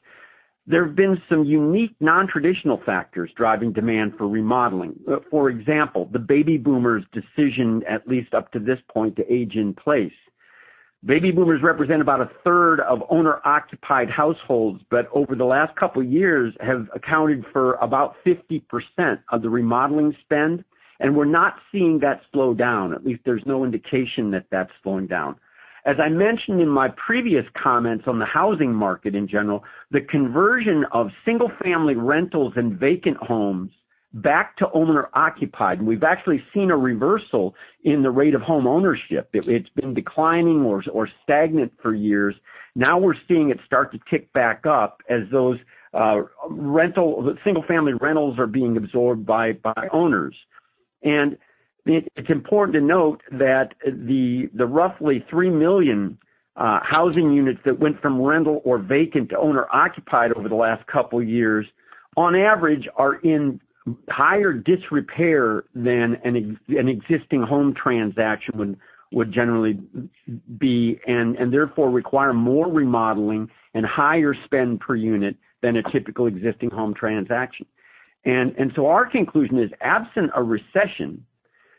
there have been some unique nontraditional factors driving demand for remodeling. For example, the baby boomers' decision, at least up to this point, to age in place. Baby boomers represent about a third of owner-occupied households, but over the last couple of years have accounted for about 50% of the remodeling spend, and we're not seeing that slow down. At least there's no indication that that's slowing down. As I mentioned in my previous comments on the housing market in general, the conversion of single-family rentals and vacant homes back to owner-occupied, we've actually seen a reversal in the rate of home ownership. It's been declining or stagnant for years. Now we're seeing it start to tick back up as those single-family rentals are being absorbed by owners. It's important to note that the roughly 3 million housing units that went from rental or vacant to owner-occupied over the last couple of years, on average, are in higher disrepair than an existing home transaction would generally be, and therefore require more remodeling and higher spend per unit than a typical existing home transaction. Our conclusion is, absent a recession,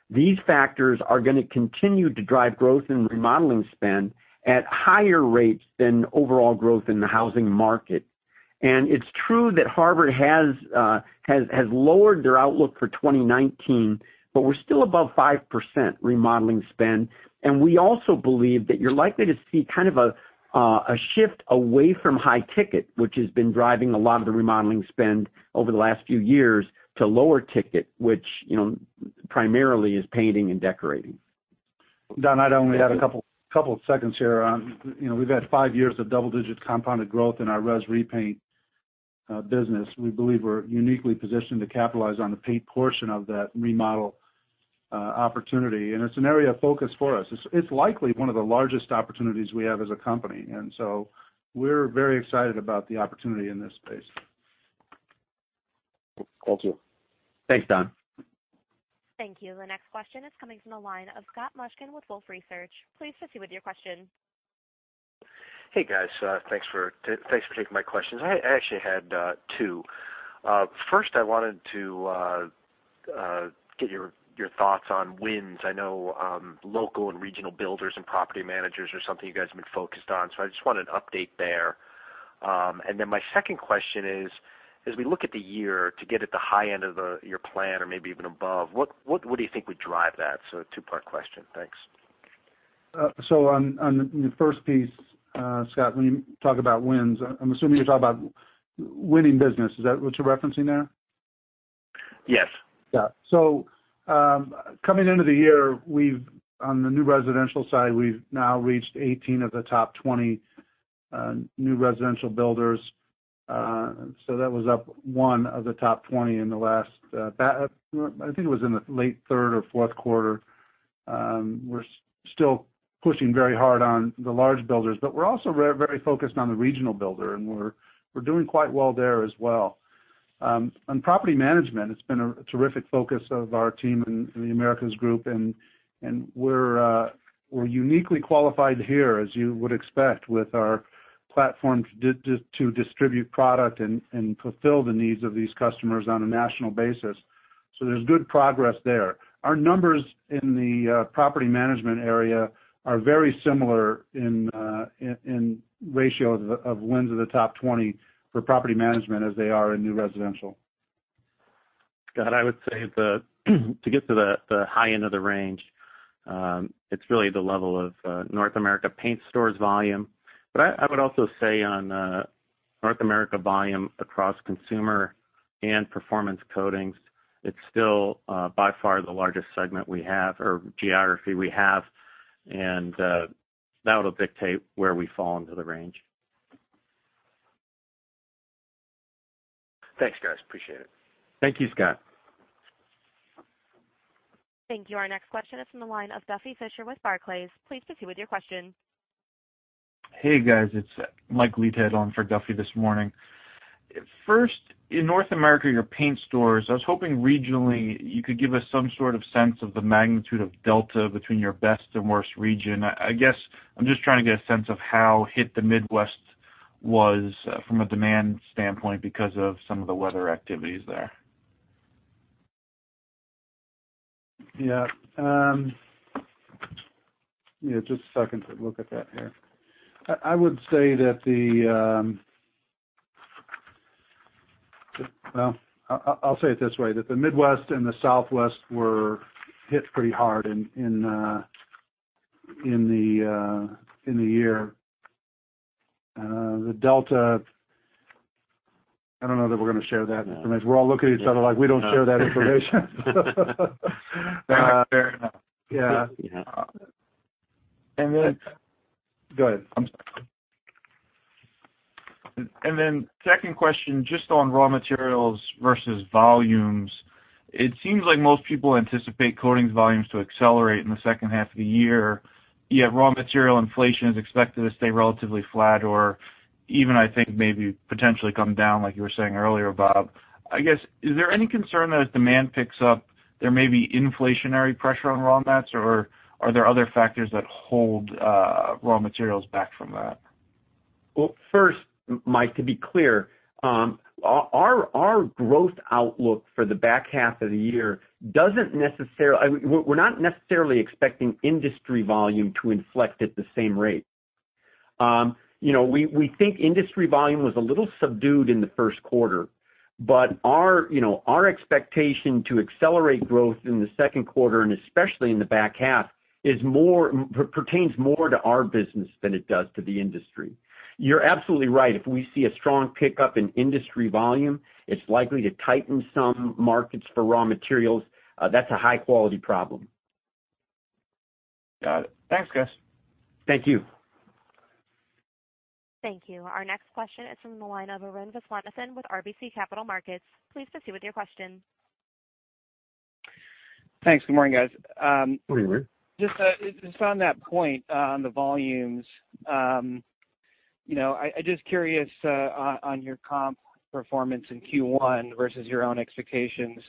these factors are going to continue to drive growth in remodeling spend at higher rates than overall growth in the housing market. It's true that Harvard has lowered their outlook for 2019, but we're still above 5% remodeling spend. We also believe that you're likely to see kind of a shift away from high ticket, which has been driving a lot of the remodeling spend over the last few years to lower ticket, which primarily is painting and decorating. Don, I'd only add a couple of seconds here on, we've had five years of double-digit compounded growth in our residential repaint business. We believe we're uniquely positioned to capitalize on the paint portion of that remodel opportunity, and it's an area of focus for us. It's likely one of the largest opportunities we have as a company, so we're very excited about the opportunity in this space. Thank you. Thanks, Don. Thank you. The next question is coming from the line of Scott Mushkin with Wolfe Research. Please proceed with your question. Hey, guys. Thanks for taking my questions. I actually had two. First, I wanted to get your thoughts on wins. I know local and regional builders and property managers are something you guys have been focused on, I just want an update there. My second question is, as we look at the year to get at the high end of your plan or maybe even above, what do you think would drive that? Two-part question. Thanks. On the first piece, Scott, when you talk about wins, I'm assuming you're talking about winning business. Is that what you're referencing there? Yes. Yeah. Coming into the year, on the new residential side, we've now reached 18 of the top 20 new residential builders. That was up one of the top 20 in the last, I think it was in the late third or fourth quarter. We're still pushing very hard on the large builders, we're also very focused on the regional builder, we're doing quite well there as well. On property management, it's been a terrific focus of our team in The Americas Group, we're uniquely qualified here, as you would expect, with our platform to distribute product and fulfill the needs of these customers on a national basis. There's good progress there. Our numbers in the property management area are very similar in ratios of wins of the top 20 for property management as they are in new residential. Scott, I would say to get to the high end of the range, it's really the level of North America paint stores volume. I would also say on North America volume across consumer and performance coatings, it's still by far the largest segment we have, or geography we have. That'll dictate where we fall into the range. Thanks, guys. Appreciate it. Thank you, Scott. Thank you. Our next question is from the line of Duffy Fischer with Barclays. Please proceed with your question. Hey, guys. It's Mike Leithead on for Duffy this morning. First, in North America, your paint stores, I was hoping regionally you could give us some sort of sense of the magnitude of delta between your best and worst region. I guess I'm just trying to get a sense of how hit the Midwest was from a demand standpoint because of some of the weather activities there. Yeah. Just a second to look at that here. I would say that Well, I'll say it this way, that the Midwest and the Southwest were hit pretty hard in the year. The delta, I don't know that we're going to share that information. We're all looking at each other like we don't share that information. Fair enough. Yeah. Yeah. And then-- Go ahead. I'm sorry. Second question, just on raw materials versus volumes. It seems like most people anticipate coatings volumes to accelerate in the second half of the year, yet raw material inflation is expected to stay relatively flat, or even, I think, maybe potentially come down, like you were saying earlier, Bob. I guess, is there any concern that as demand picks up, there may be inflationary pressure on raw mats, or are there other factors that hold raw materials back from that? Well, first, Mike, to be clear, our growth outlook for the back half of the year. We're not necessarily expecting industry volume to inflect at the same rate. We think industry volume was a little subdued in the first quarter, but our expectation to accelerate growth in the second quarter, and especially in the back half, pertains more to our business than it does to the industry. You're absolutely right. If we see a strong pickup in industry volume, it's likely to tighten some markets for raw materials. That's a high-quality problem. Got it. Thanks, guys. Thank you. Thank you. Our next question is from the line of Arun Viswanathan with RBC Capital Markets. Please proceed with your question. Thanks. Good morning, guys. Good morning, Arun. Just on that point on the volumes. I'm just curious on your comp performance in Q1 versus your own expectations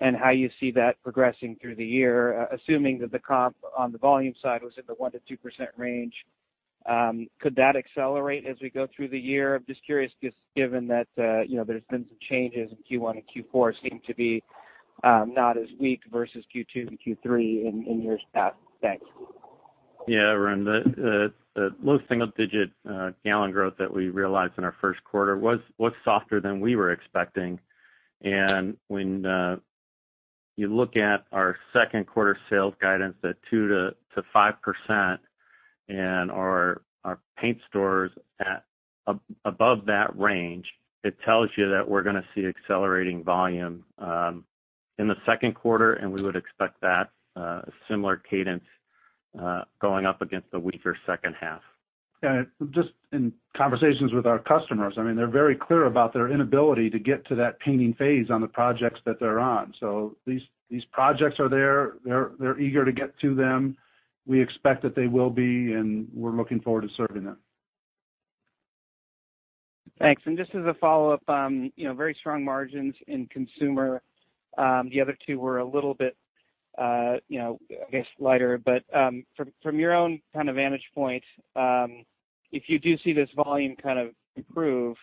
and how you see that progressing through the year, assuming that the comp on the volume side was in the 1%-2% range. Could that accelerate as we go through the year? I'm just curious, just given that there's been some changes in Q1 and Q4 seem to be not as weak versus Q2 and Q3 in your stats. Thanks. Yeah, Arun. The low single-digit gallon growth that we realized in our first quarter was softer than we were expecting. When you look at our second quarter sales guidance at 2%-5% Our paint stores at above that range, it tells you that we're going to see accelerating volume in the second quarter, and we would expect that similar cadence going up against the weaker second half. Yeah. Just in conversations with our customers, they're very clear about their inability to get to that painting phase on the projects that they're on. These projects are there. They're eager to get to them. We expect that they will be, and we're looking forward to serving them. Thanks. Just as a follow-up, very strong margins in Consumer. The other two were a little bit, I guess, lighter. From your own vantage point, if you do see this volume improve,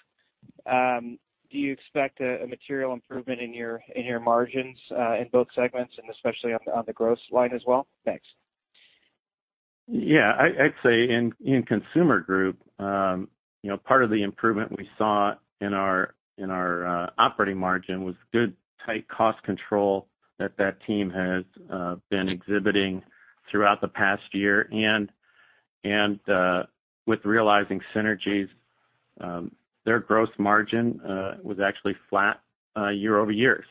do you expect a material improvement in your margins in both segments and especially on the gross line as well? Thanks. Yeah. I'd say in Consumer group, part of the improvement we saw in our operating margin was good, tight cost control that team has been exhibiting throughout the past year. With realizing synergies, their gross margin was actually flat year-over-year.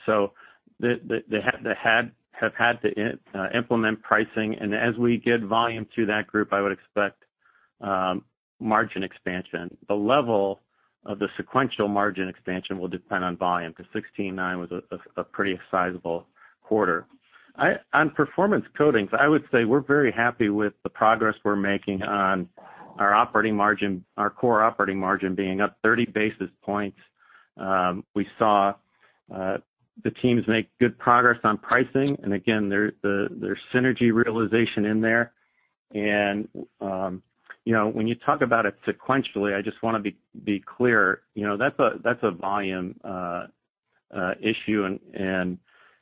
They have had to implement pricing, and as we get volume through that group, I would expect margin expansion. The level of the sequential margin expansion will depend on volume, because 16.9 was a pretty sizable quarter. On Performance Coatings, I would say we're very happy with the progress we're making on our core operating margin being up 30 basis points. We saw the teams make good progress on pricing, again, there's synergy realization in there. When you talk about it sequentially, I just want to be clear, that's a volume issue,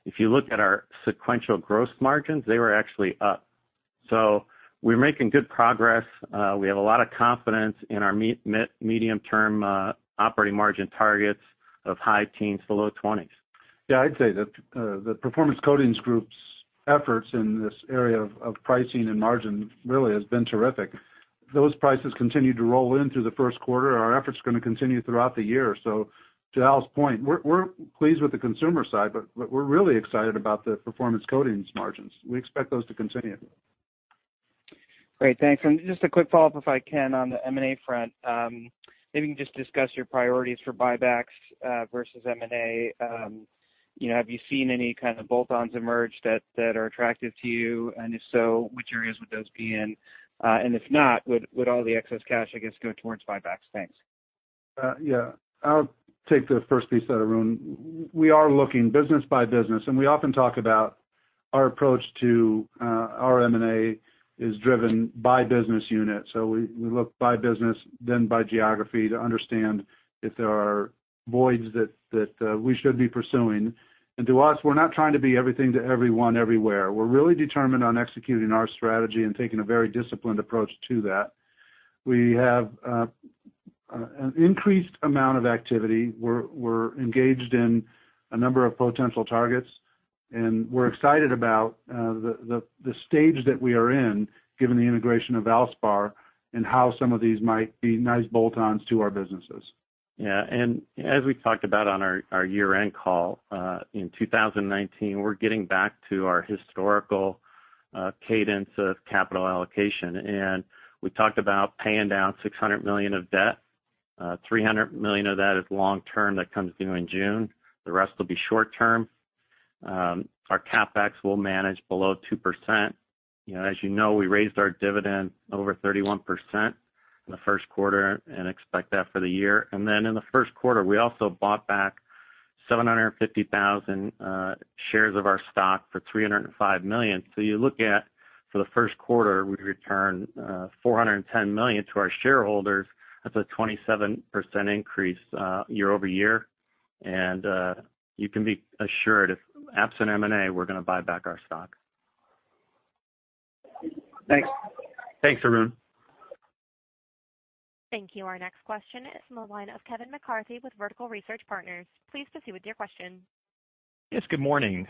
if you look at our sequential gross margins, they were actually up. We're making good progress. We have a lot of confidence in our medium-term operating margin targets of high teens to low 20s. Yeah, I'd say that the Performance Coatings Group's efforts in this area of pricing and margin really has been terrific. Those prices continue to roll in through the first quarter. Our efforts are going to continue throughout the year. To Al's point, we're pleased with the Consumer side, we're really excited about the Performance Coatings margins. We expect those to continue. Great. Thanks. Just a quick follow-up, if I can, on the M&A front. Maybe you can just discuss your priorities for buybacks versus M&A. Have you seen any kind of bolt-ons emerge that are attractive to you? If so, which areas would those be in? If not, would all the excess cash, I guess, go towards buybacks? Thanks. Yeah. I'll take the first piece of it, Arun. We are looking business by business, and we often talk about our approach to our M&A is driven by business unit. We look by business, then by geography, to understand if there are voids that we should be pursuing. To us, we're not trying to be everything to everyone everywhere. We're really determined on executing our strategy and taking a very disciplined approach to that. We have an increased amount of activity. We're engaged in a number of potential targets, and we're excited about the stage that we are in, given the integration of Valspar, and how some of these might be nice bolt-ons to our businesses. Yeah. As we talked about on our year-end call, in 2019, we're getting back to our historical cadence of capital allocation. We talked about paying down $600 million of debt. $300 million of that is long-term, that comes due in June. The rest will be short-term. Our CapEx we'll manage below 2%. As you know, we raised our dividend over 31% in the first quarter and expect that for the year. Then in the first quarter, we also bought back 750,000 shares of our stock for $305 million. You look at, for the first quarter, we returned $410 million to our shareholders. That's a 27% increase year-over-year, and you can be assured, absent M&A, we're going to buy back our stock. Thanks. Thanks, Arun. Thank you. Our next question is from the line of Kevin McCarthy with Vertical Research Partners. Please proceed with your question. Yes, good morning.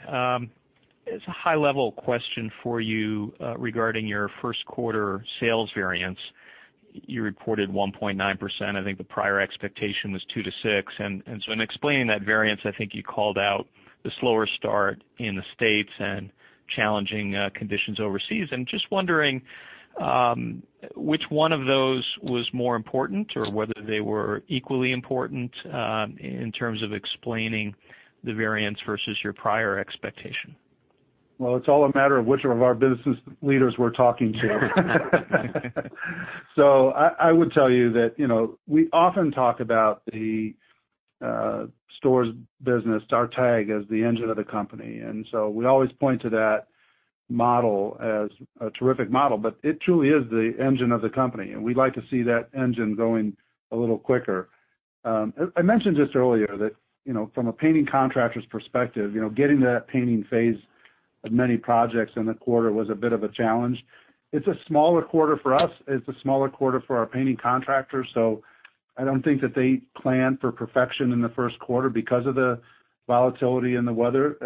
It's a high-level question for you regarding your first quarter sales variance. You reported 1.9%. I think the prior expectation was 2%-6%. In explaining that variance, I think you called out the slower start in the U.S. and challenging conditions overseas. I'm just wondering which one of those was more important, or whether they were equally important in terms of explaining the variance versus your prior expectation. Well, it's all a matter of which of our business leaders we're talking to. I would tell you that we often talk about the stores business, our TAG as the engine of the company. We always point to that model as a terrific model. It truly is the engine of the company, and we'd like to see that engine going a little quicker. I mentioned just earlier that from a painting contractor's perspective, getting to that painting phase of many projects in the quarter was a bit of a challenge. It's a smaller quarter for us. It's a smaller quarter for our painting contractors. I don't think that they plan for perfection in the first quarter because of the volatility in the weather.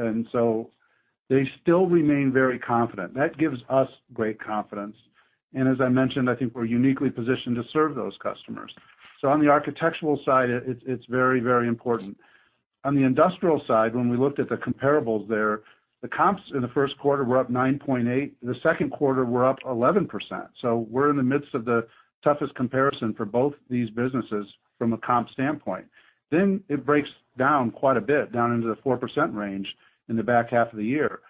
They still remain very confident. That gives us great confidence. As I mentioned, I think we're uniquely positioned to serve those customers. On the architectural side, it's very important. On the industrial side, when we looked at the comparables there, the comps in the first quarter were up 9.8%. The second quarter, were up 11%. We're in the midst of the toughest comparison for both these businesses from a comp standpoint. It breaks down quite a bit, down into the 4% range in the back half of the year.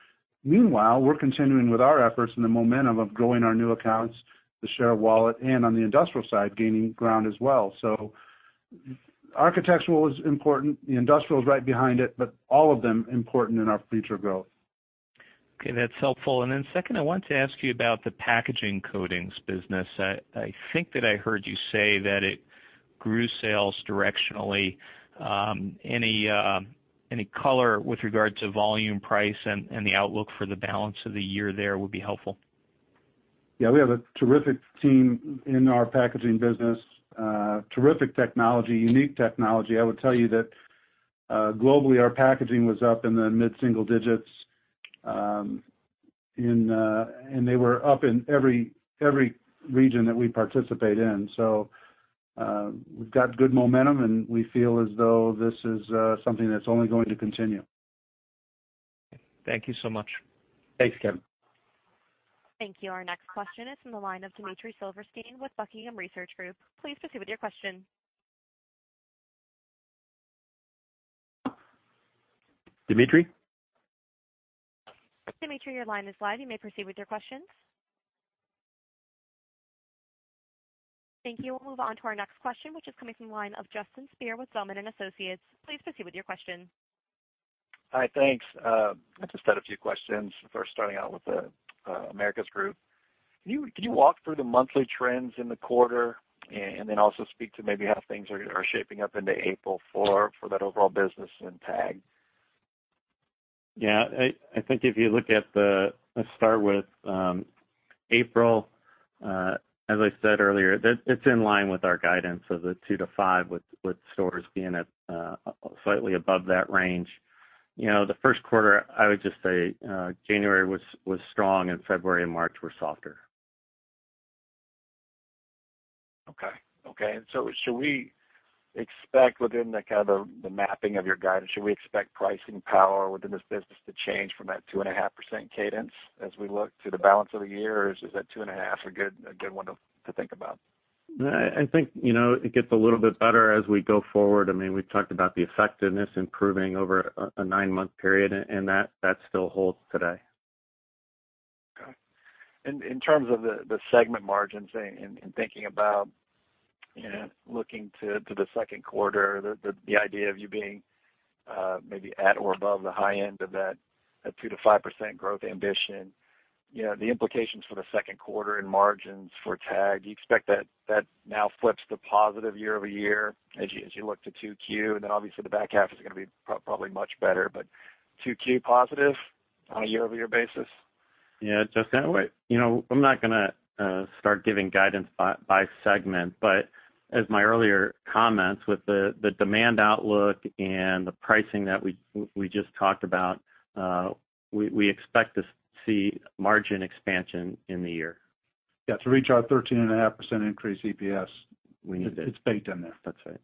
Meanwhile, we're continuing with our efforts and the momentum of growing our new accounts, the share of wallet, and on the industrial side, gaining ground as well. Architectural is important. The industrial is right behind it, all of them important in our future growth. Okay. That's helpful. Second, I wanted to ask you about the packaging coatings business. I think that I heard you say that it grew sales directionally. Any color with regard to volume price and the outlook for the balance of the year there would be helpful. We have a terrific team in our packaging business. Terrific technology, unique technology. I would tell you that, globally, our packaging was up in the mid-single digits, and they were up in every region that we participate in. We've got good momentum, and we feel as though this is something that's only going to continue. Thank you so much. Thanks, Kevin. Thank you. Our next question is from the line of Dmitry Silversteyn with Buckingham Research Group. Please proceed with your question. Dmitry? Dmitry, your line is live. You may proceed with your questions. Thank you. We'll move on to our next question, which is coming from the line of Justin Speer with Zelman & Associates. Please proceed with your question. Hi, thanks. I just had a few questions. First, starting out with The Americas Group. Can you walk through the monthly trends in the quarter, and then also speak to maybe how things are shaping up into April for that overall business in TAG? Yeah. I think if you look at Let's start with April. As I said earlier, it's in line with our guidance of the 2%-5% with stores being at slightly above that range. The first quarter, I would just say, January was strong, and February and March were softer. Okay. Should we expect within the kind of the mapping of your guidance, should we expect pricing power within this business to change from that 2.5% cadence as we look to the balance of the year? Or is that 2.5% a good one to think about? I think it gets a little bit better as we go forward. We've talked about the effectiveness improving over a nine-month period, and that still holds today. Okay. In terms of the segment margins and thinking about looking to the second quarter, the idea of you being maybe at or above the high end of that 2%-5% growth ambition, the implications for the second quarter in margins for TAG, do you expect that now flips to positive year-over-year as you look to 2Q? Then obviously the back half is going to be probably much better, but 2Q positive on a year-over-year basis? Yeah, Justin, I'm not going to start giving guidance by segment. As my earlier comments with the demand outlook and the pricing that we just talked about, we expect to see margin expansion in the year. Yeah, to reach our 13.5% increase EPS. We need it. It's baked in there. That's it.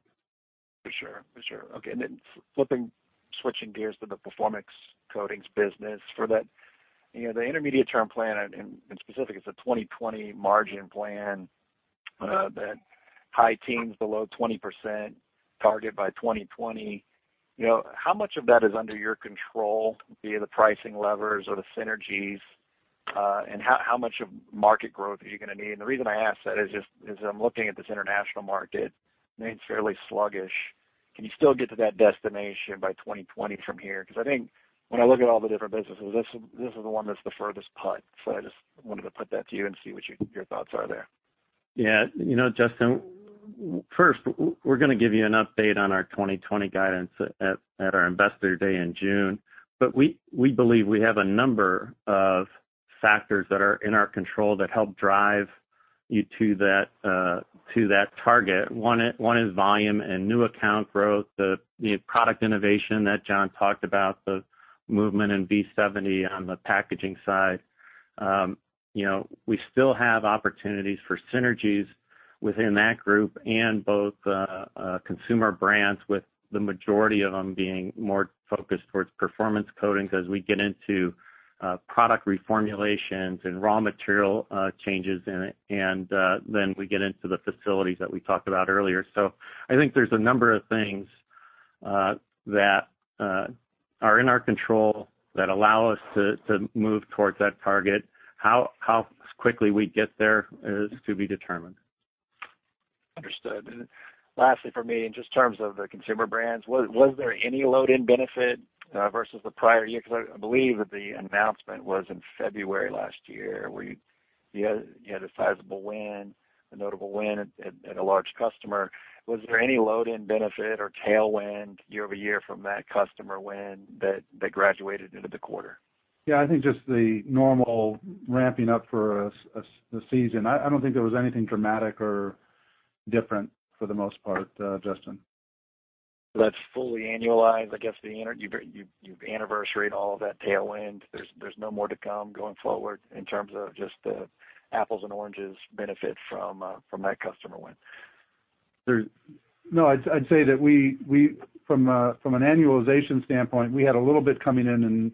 For sure. Okay. Then flipping, switching gears to the Performance Coatings business. For the intermediate-term plan in specific, it's a 2020 margin plan, that high teens below 20% target by 2020. How much of that is under your control via the pricing levers or the synergies? How much of market growth are you going to need? The reason I ask that is just as I'm looking at this international market, I mean, it's fairly sluggish. Can you still get to that destination by 2020 from here? I think when I look at all the different businesses, this is the one that's the furthest punt. I just wanted to put that to you and see what your thoughts are there. Justin, first, we're going to give you an update on our 2020 guidance at our investor day in June. We believe we have a number of factors that are in our control that help drive you to that target. One is volume and new account growth, the product innovation that John talked about, the movement in V70 on the packaging side. We still have opportunities for synergies within that group and both consumer brands, with the majority of them being more focused towards performance coatings as we get into product reformulations and raw material changes, and then we get into the facilities that we talked about earlier. I think there's a number of things that are in our control that allow us to move towards that target. How quickly we get there is to be determined. Understood. Lastly for me, just in terms of the consumer brands, was there any load-in benefit versus the prior year? Because I believe that the announcement was in February last year, where you had a sizable win, a notable win at a large customer. Was there any load-in benefit or tailwind year-over-year from that customer win that graduated into the quarter? Yeah. I think just the normal ramping up for the season. I don't think there was anything dramatic or different for the most part, Justin. That's fully annualized, I guess. You've anniversaried all of that tailwind. There's no more to come going forward in terms of just the apples and oranges benefit from that customer win? No, I'd say that from an annualization standpoint, we had a little bit coming in in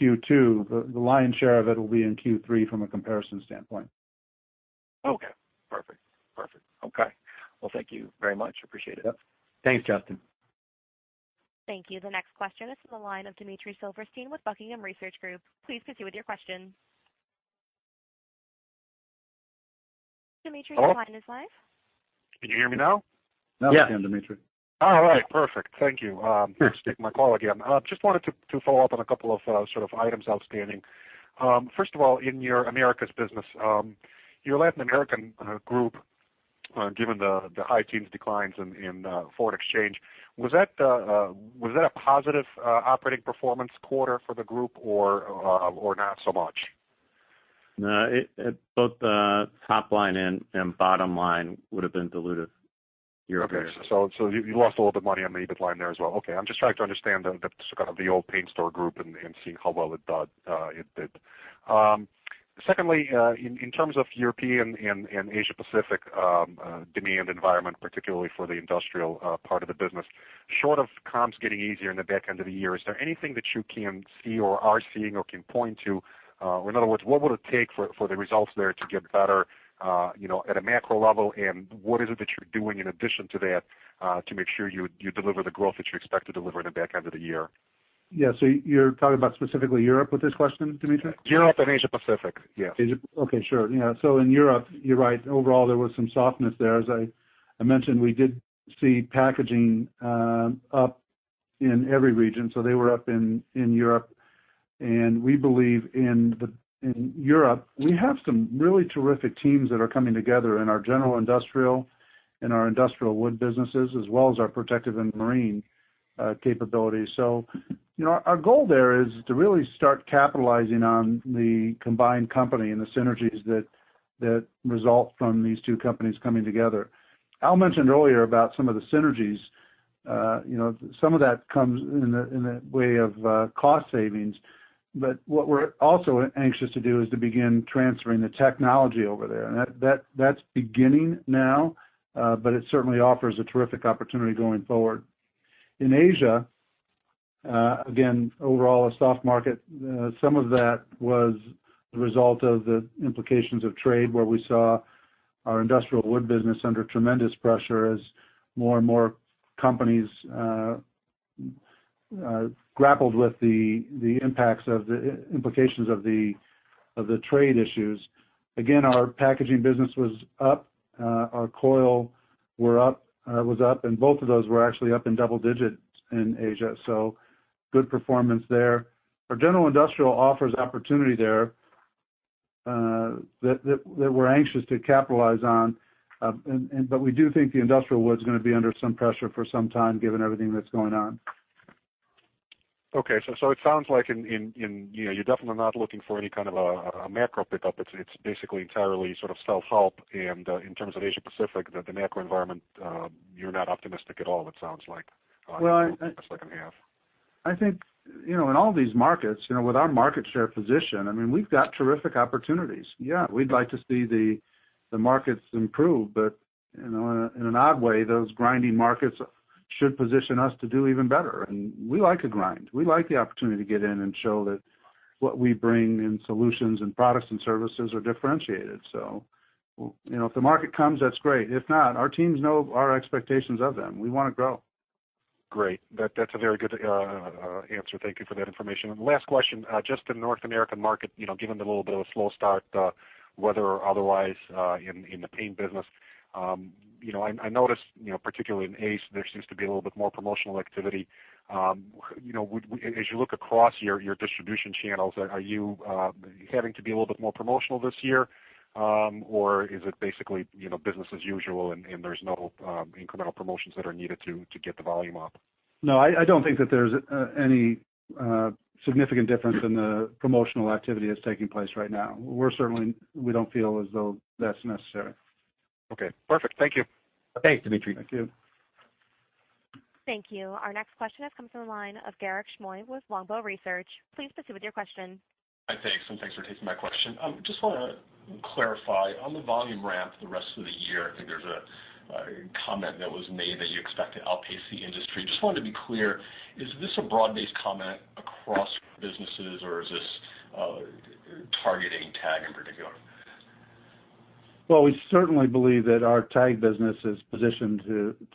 Q2. The lion's share of it will be in Q3 from a comparison standpoint. Okay, perfect. Well, thank you very much. Appreciate it. Yep. Thanks, Justin. Thank you. The next question is from the line of Dmitry Silversteyn with Buckingham Research Group. Please proceed with your question. Dmitry- Hello? Your line is live. Can you hear me now? Yes. Now we can, Dmitry. All right, perfect. Thank you. Sure. Taking my call again. Just wanted to follow up on a couple of sort of items outstanding. First of all, in your The Americas Group business, your Latin American group, given the high teens declines in foreign exchange, was that a positive operating performance quarter for the group or not so much? No. Both the top line and bottom line would have been dilutive year-over-year. Okay. You lost a little bit of money on the EBIT line there as well. Okay. I'm just trying to understand the sort of the old paint store group and seeing how well it did. Secondly, in terms of European and Asia Pacific demand environment, particularly for the industrial part of the business, short of comps getting easier in the back end of the year, is there anything that you can see or are seeing or can point to? In other words, what would it take for the results there to get better at a macro level, and what is it that you're doing in addition to that to make sure you deliver the growth that you expect to deliver in the back end of the year? Yeah. You're talking about specifically Europe with this question, Dmitry? Europe and Asia Pacific, yeah. Asia. Okay, sure. Yeah. In Europe, you're right. Overall, there was some softness there. As I mentioned, we did see Packaging up in every region, so they were up in Europe. We believe in Europe, we have some really terrific teams that are coming together in our General Industrial and our Industrial Wood businesses, as well as our Protective and Marine capabilities. Our goal there is to really start capitalizing on the combined company and the synergies that result from these two companies coming together. Al mentioned earlier about some of the synergies. Some of that comes in the way of cost savings. What we're also anxious to do is to begin transferring the technology over there, and that's beginning now, but it certainly offers a terrific opportunity going forward. In Asia, again, overall, a soft market. Some of that was the result of the implications of trade, where we saw our Industrial Wood business under tremendous pressure as more and more companies grappled with the impacts of the implications of the trade issues. Again, our Packaging business was up, our Coil was up, and both of those were actually up in double digits in Asia, so good performance there. Our General Industrial offers opportunity there that we're anxious to capitalize on. We do think the Industrial Wood's going to be under some pressure for some time, given everything that's going on. Okay. It sounds like you're definitely not looking for any kind of a macro pickup. It's basically entirely sort of self-help. In terms of Asia Pacific, the macro environment, you're not optimistic at all, it sounds like. Well. for the second half I think, in all these markets, with our market share position, we've got terrific opportunities. Yeah, we'd like to see the markets improve, in an odd way, those grinding markets should position us to do even better. We like a grind. We like the opportunity to get in and show that what we bring in solutions and products and services are differentiated. If the market comes, that's great. If not, our teams know our expectations of them. We want to grow. Great. That's a very good answer. Thank you for that information. Last question. Just the North American market, given the little bit of a slow start, weather or otherwise, in the paint business. I noticed, particularly in Ace, there seems to be a little bit more promotional activity. As you look across your distribution channels, are you having to be a little bit more promotional this year? Or is it basically business as usual, and there's no incremental promotions that are needed to get the volume up? No, I don't think that there's any significant difference in the promotional activity that's taking place right now. We don't feel as though that's necessary. Okay, perfect. Thank you. Thanks, Dmitry. Thank you. Thank you. Our next question comes from the line of Garik Shmois with Longbow Research. Please proceed with your question. Hi, thanks. Thanks for taking my question. Just want to clarify on the volume ramp for the rest of the year, I think there's a comment that was made that you expect to outpace the industry. Just wanted to be clear, is this a broad-based comment across businesses, or is this targeting TAG in particular? Well, we certainly believe that our TAG business is positioned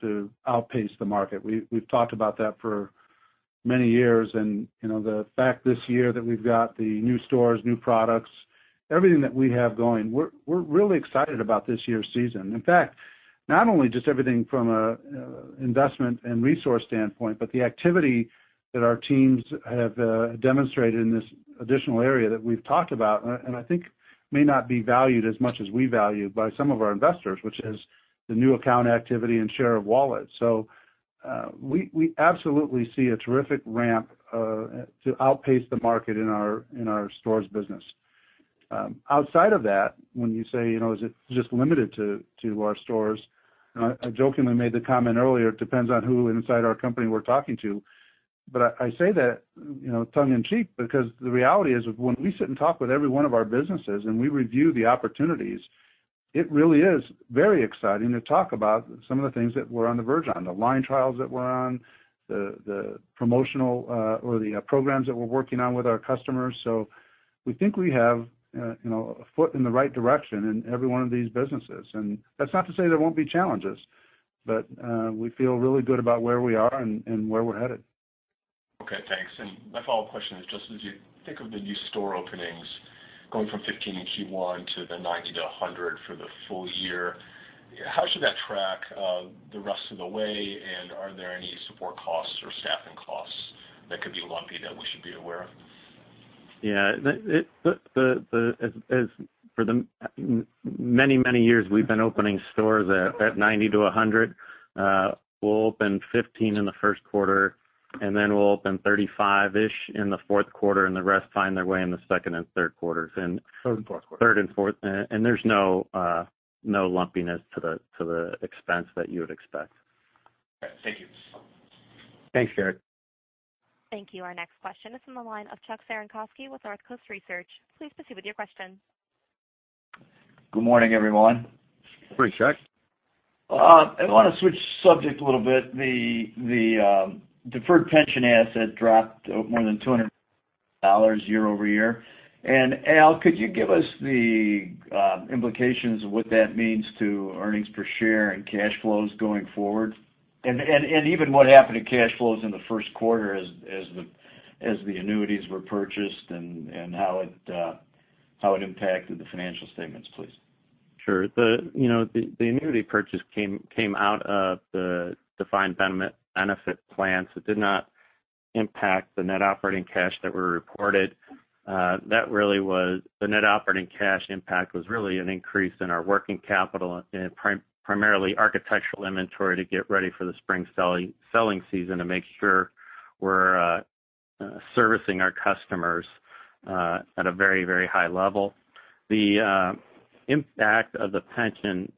to outpace the market. We've talked about that for many years, the fact this year that we've got the new stores, new products, everything that we have going, we're really excited about this year's season. In fact, not only just everything from an investment and resource standpoint, but the activity that our teams have demonstrated in this additional area that we've talked about, I think may not be valued as much as we value by some of our investors, which is the new account activity and share of wallet. We absolutely see a terrific ramp to outpace the market in our stores business. Outside of that, when you say, is it just limited to our stores? I jokingly made the comment earlier, it depends on who inside our company we're talking to. I say that tongue in cheek, because the reality is when we sit and talk with every one of our businesses and we review the opportunities, it really is very exciting to talk about some of the things that we're on the verge on, the line trials that we're on, the promotional or the programs that we're working on with our customers. We think we have a foot in the right direction in every one of these businesses, that's not to say there won't be challenges, but we feel really good about where we are and where we're headed. Okay, thanks. My follow-up question is just as you think of the new store openings going from 15 in Q1 to the 90 to 100 for the full year, how should that track the rest of the way? Are there any support costs or staffing costs that could be lumpy that we should be aware of? Yeah. For the many, many years we've been opening stores at 90 to 100. We'll open 15 in the first quarter, we'll open 35-ish in the fourth quarter, the rest find their way in the second and third quarters. Third and fourth quarter. Third and fourth. There's no lumpiness to the expense that you would expect. Thank you. Thanks, Garik. Thank you. Our next question is from the line of Chuck Cerankosky with Northcoast Research. Please proceed with your question. Good morning, everyone. Good morning, Chuck. I want to switch subject a little bit. The deferred pension asset dropped more than $200 million year-over-year. Al, could you give us the implications of what that means to earnings per share and cash flows going forward? Even what happened to cash flows in the first quarter as the annuities were purchased and how it impacted the financial statements, please. Sure. The annuity purchase came out of the defined benefit plans. It did not impact the net operating cash that were reported. The net operating cash impact was really an increase in our working capital and primarily architectural inventory to get ready for the spring selling season to make sure we're servicing our customers, at a very, very high level. The impact of the pension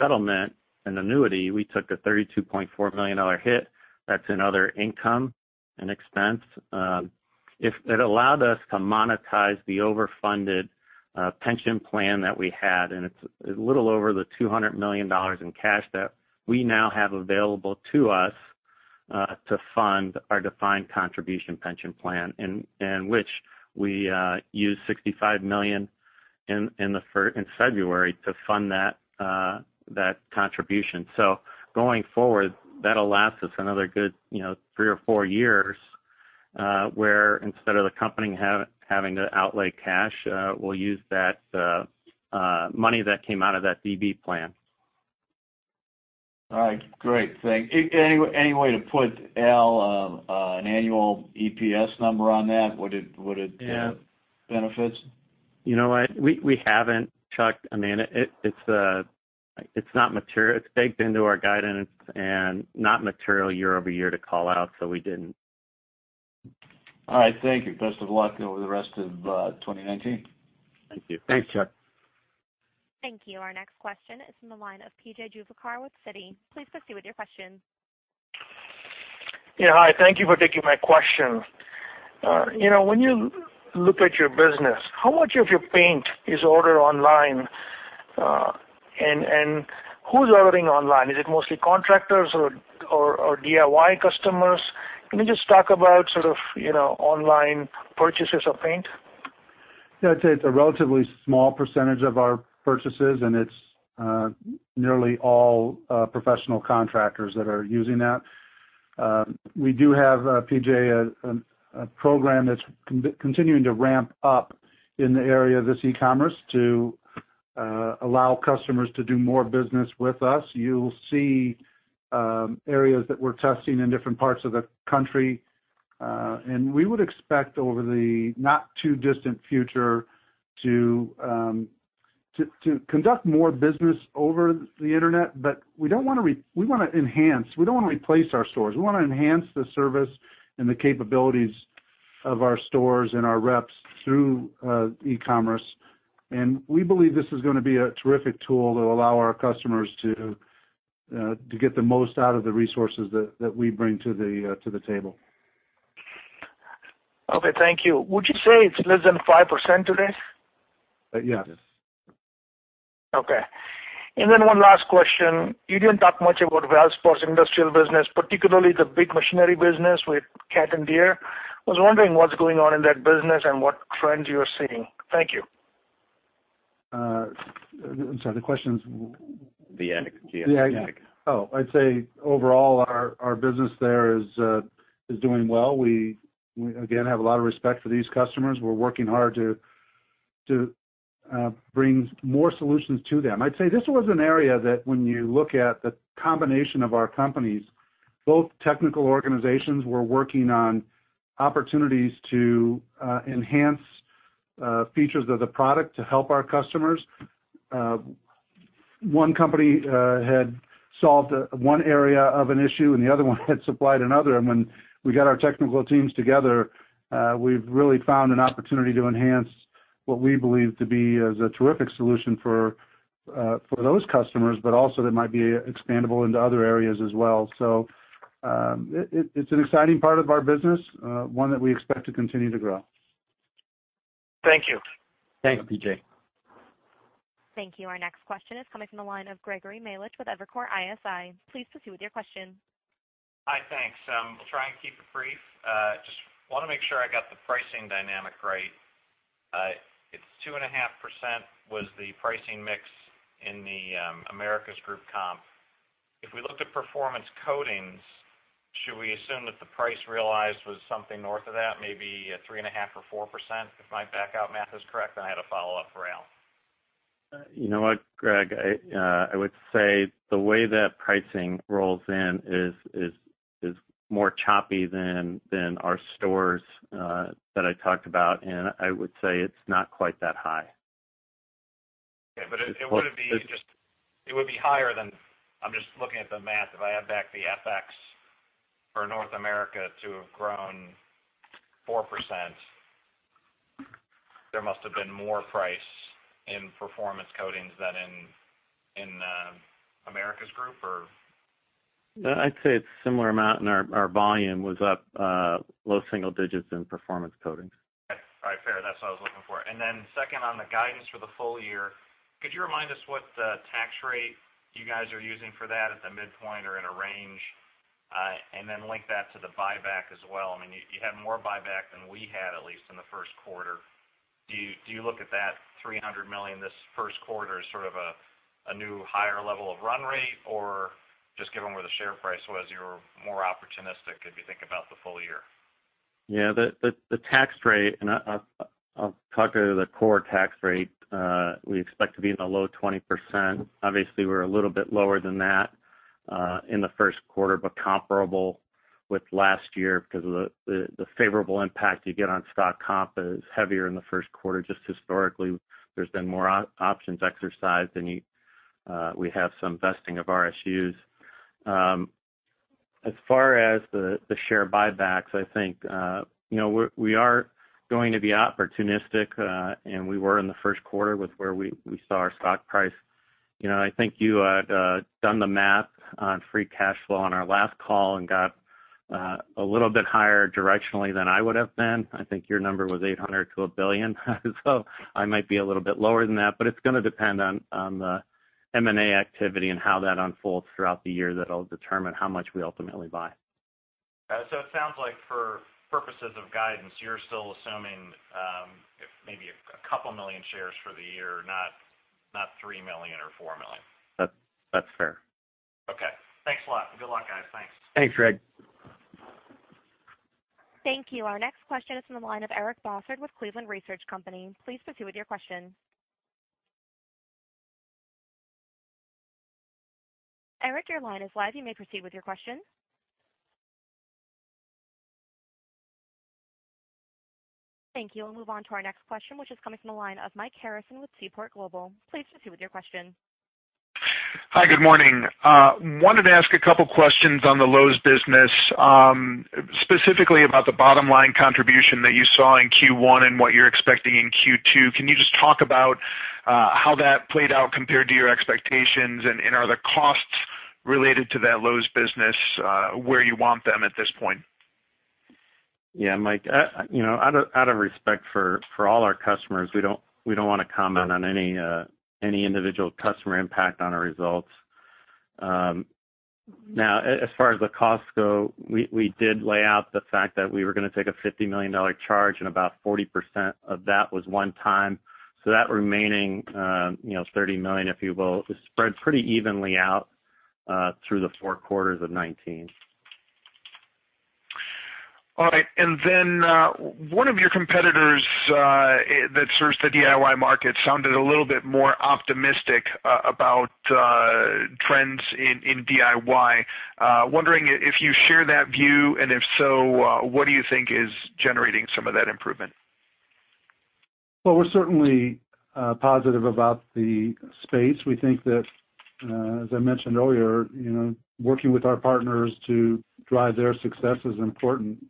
settlement and annuity, we took a $32.4 million hit. That's another income and expense. It allowed us to monetize the overfunded pension plan that we had, it's a little over the $200 million in cash that we now have available to us, to fund our defined contribution pension plan, in which we use $65 million in February to fund that contribution. Going forward, that'll last us another good three or four years, where instead of the company having to outlay cash, we'll use that money that came out of that DB plan. All right, great. Thank you. Any way to put, Al, an annual EPS number on that? Yeah benefits? You know what? We haven't, Chuck. It's baked into our guidance and not material year-over-year to call out. We didn't. All right. Thank you. Best of luck over the rest of 2019. Thank you. Thanks, Chuck. Thank you. Our next question is from the line of P.J. Juvekar with Citi. Please proceed with your question. Yeah. Hi, thank you for taking my question. When you look at your business, how much of your paint is ordered online? Who's ordering online? Is it mostly contractors or DIY customers? Can you just talk about sort of online purchases of paint? Yeah. I'd say it's a relatively small percentage of our purchases, it's nearly all professional contractors that are using that. We do have, P.J., a program that's continuing to ramp up in the area of this e-commerce to allow customers to do more business with us. You'll see areas that we're testing in different parts of the country. We would expect over the not too distant future to conduct more business over the internet. We want to enhance, we don't want to replace our stores. We want to enhance the service and the capabilities of our stores and our reps through e-commerce. We believe this is going to be a terrific tool to allow our customers to get the most out of the resources that we bring to the table. Okay, thank you. Would you say it's less than 5% today? Yes. Yes. Okay. One last question. You didn't talk much about Valspar's industrial business, particularly the big machinery business with Cat & Deere. I was wondering what's going on in that business and what trends you are seeing. Thank you. I'm sorry. The question's The end. I'd say overall our business there is doing well. We again, have a lot of respect for these customers. We're working hard to bring more solutions to them. I'd say this was an area that when you look at the combination of our companies, both technical organizations were working on opportunities to enhance features of the product to help our customers. One company had solved one area of an issue, and the other one had supplied another. When we got our technical teams together, we've really found an opportunity to enhance what we believe to be as a terrific solution for those customers, but also that might be expandable into other areas as well. It's an exciting part of our business, one that we expect to continue to grow. Thank you. Thanks, P.J. Thank you. Our next question is coming from the line of Gregory Melich with Evercore ISI. Please proceed with your question. Hi, thanks. I'll try and keep it brief. Just want to make sure I got the pricing dynamic right. It's 2.5% was the pricing mix in The Americas Group comp. If we looked at Performance Coatings, should we assume that the price realized was something north of that, maybe 3.5% or 4%? If my back out math is correct, I had a follow-up for Al. You know what, Greg? I would say the way that pricing rolls in is more choppy than our stores, that I talked about. I would say it's not quite that high. Okay, it would be higher than, I'm just looking at the math. If I add back the FX for North America to have grown 4%, there must have been more price in Performance Coatings than in The Americas Group, or? No, I'd say it's a similar amount. Our volume was up low single digits in Performance Coatings. Okay. All right, fair. That's what I was looking for. Second, on the guidance for the full year, could you remind us what tax rate you guys are using for that at the midpoint or in a range? Then link that to the buyback as well. You had more buyback than we had, at least in the first quarter. Do you look at that $300 million this first quarter as sort of a new higher level of run rate? Or just given where the share price was, you're more opportunistic if you think about the full year? The tax rate, I'll talk to the core tax rate, we expect to be in the low 20%. Obviously, we're a little bit lower than that in the first quarter, but comparable with last year because of the favorable impact you get on stock comp is heavier in the first quarter. Historically, there's been more options exercised, and we have some vesting of RSUs. As far as the share buybacks, I think we are going to be opportunistic, and we were in the first quarter with where we saw our stock price. I think you had done the math on free cash flow on our last call and got a little bit higher directionally than I would've been. I think your number was $800 million to $1 billion. I might be a little bit lower than that, but it's going to depend on the M&A activity and how that unfolds throughout the year that'll determine how much we ultimately buy. Got it. It sounds like for purposes of guidance, you're still assuming maybe a couple million shares for the year, not 3 million or 4 million. That's fair. Okay. Thanks a lot. Good luck, guys. Thanks. Thanks, Greg. Thank you. Our next question is from the line of Eric Bosshard with Cleveland Research Company. Please proceed with your question. Eric, your line is live. You may proceed with your question. Thank you. We'll move on to our next question, which is coming from the line of Mike Harrison with Seaport Global. Please proceed with your question. Hi, good morning. Wanted to ask a couple questions on the Lowe's business, specifically about the bottom-line contribution that you saw in Q1 and what you're expecting in Q2. Can you just talk about how that played out compared to your expectations? Are the costs related to that Lowe's business where you want them at this point? Yeah, Mike. Out of respect for all our customers, we don't want to comment on any individual customer impact on our results. As far as the costs go, we did lay out the fact that we were going to take a $50 million charge. About 40% of that was one time. That remaining $30 million, if you will, is spread pretty evenly out through the four quarters of 2019. All right. One of your competitors that serves the DIY market sounded a little bit more optimistic about trends in DIY. I am wondering if you share that view, and if so, what do you think is generating some of that improvement? Well, we're certainly positive about the space. We think that, as I mentioned earlier, working with our partners to drive their success is important.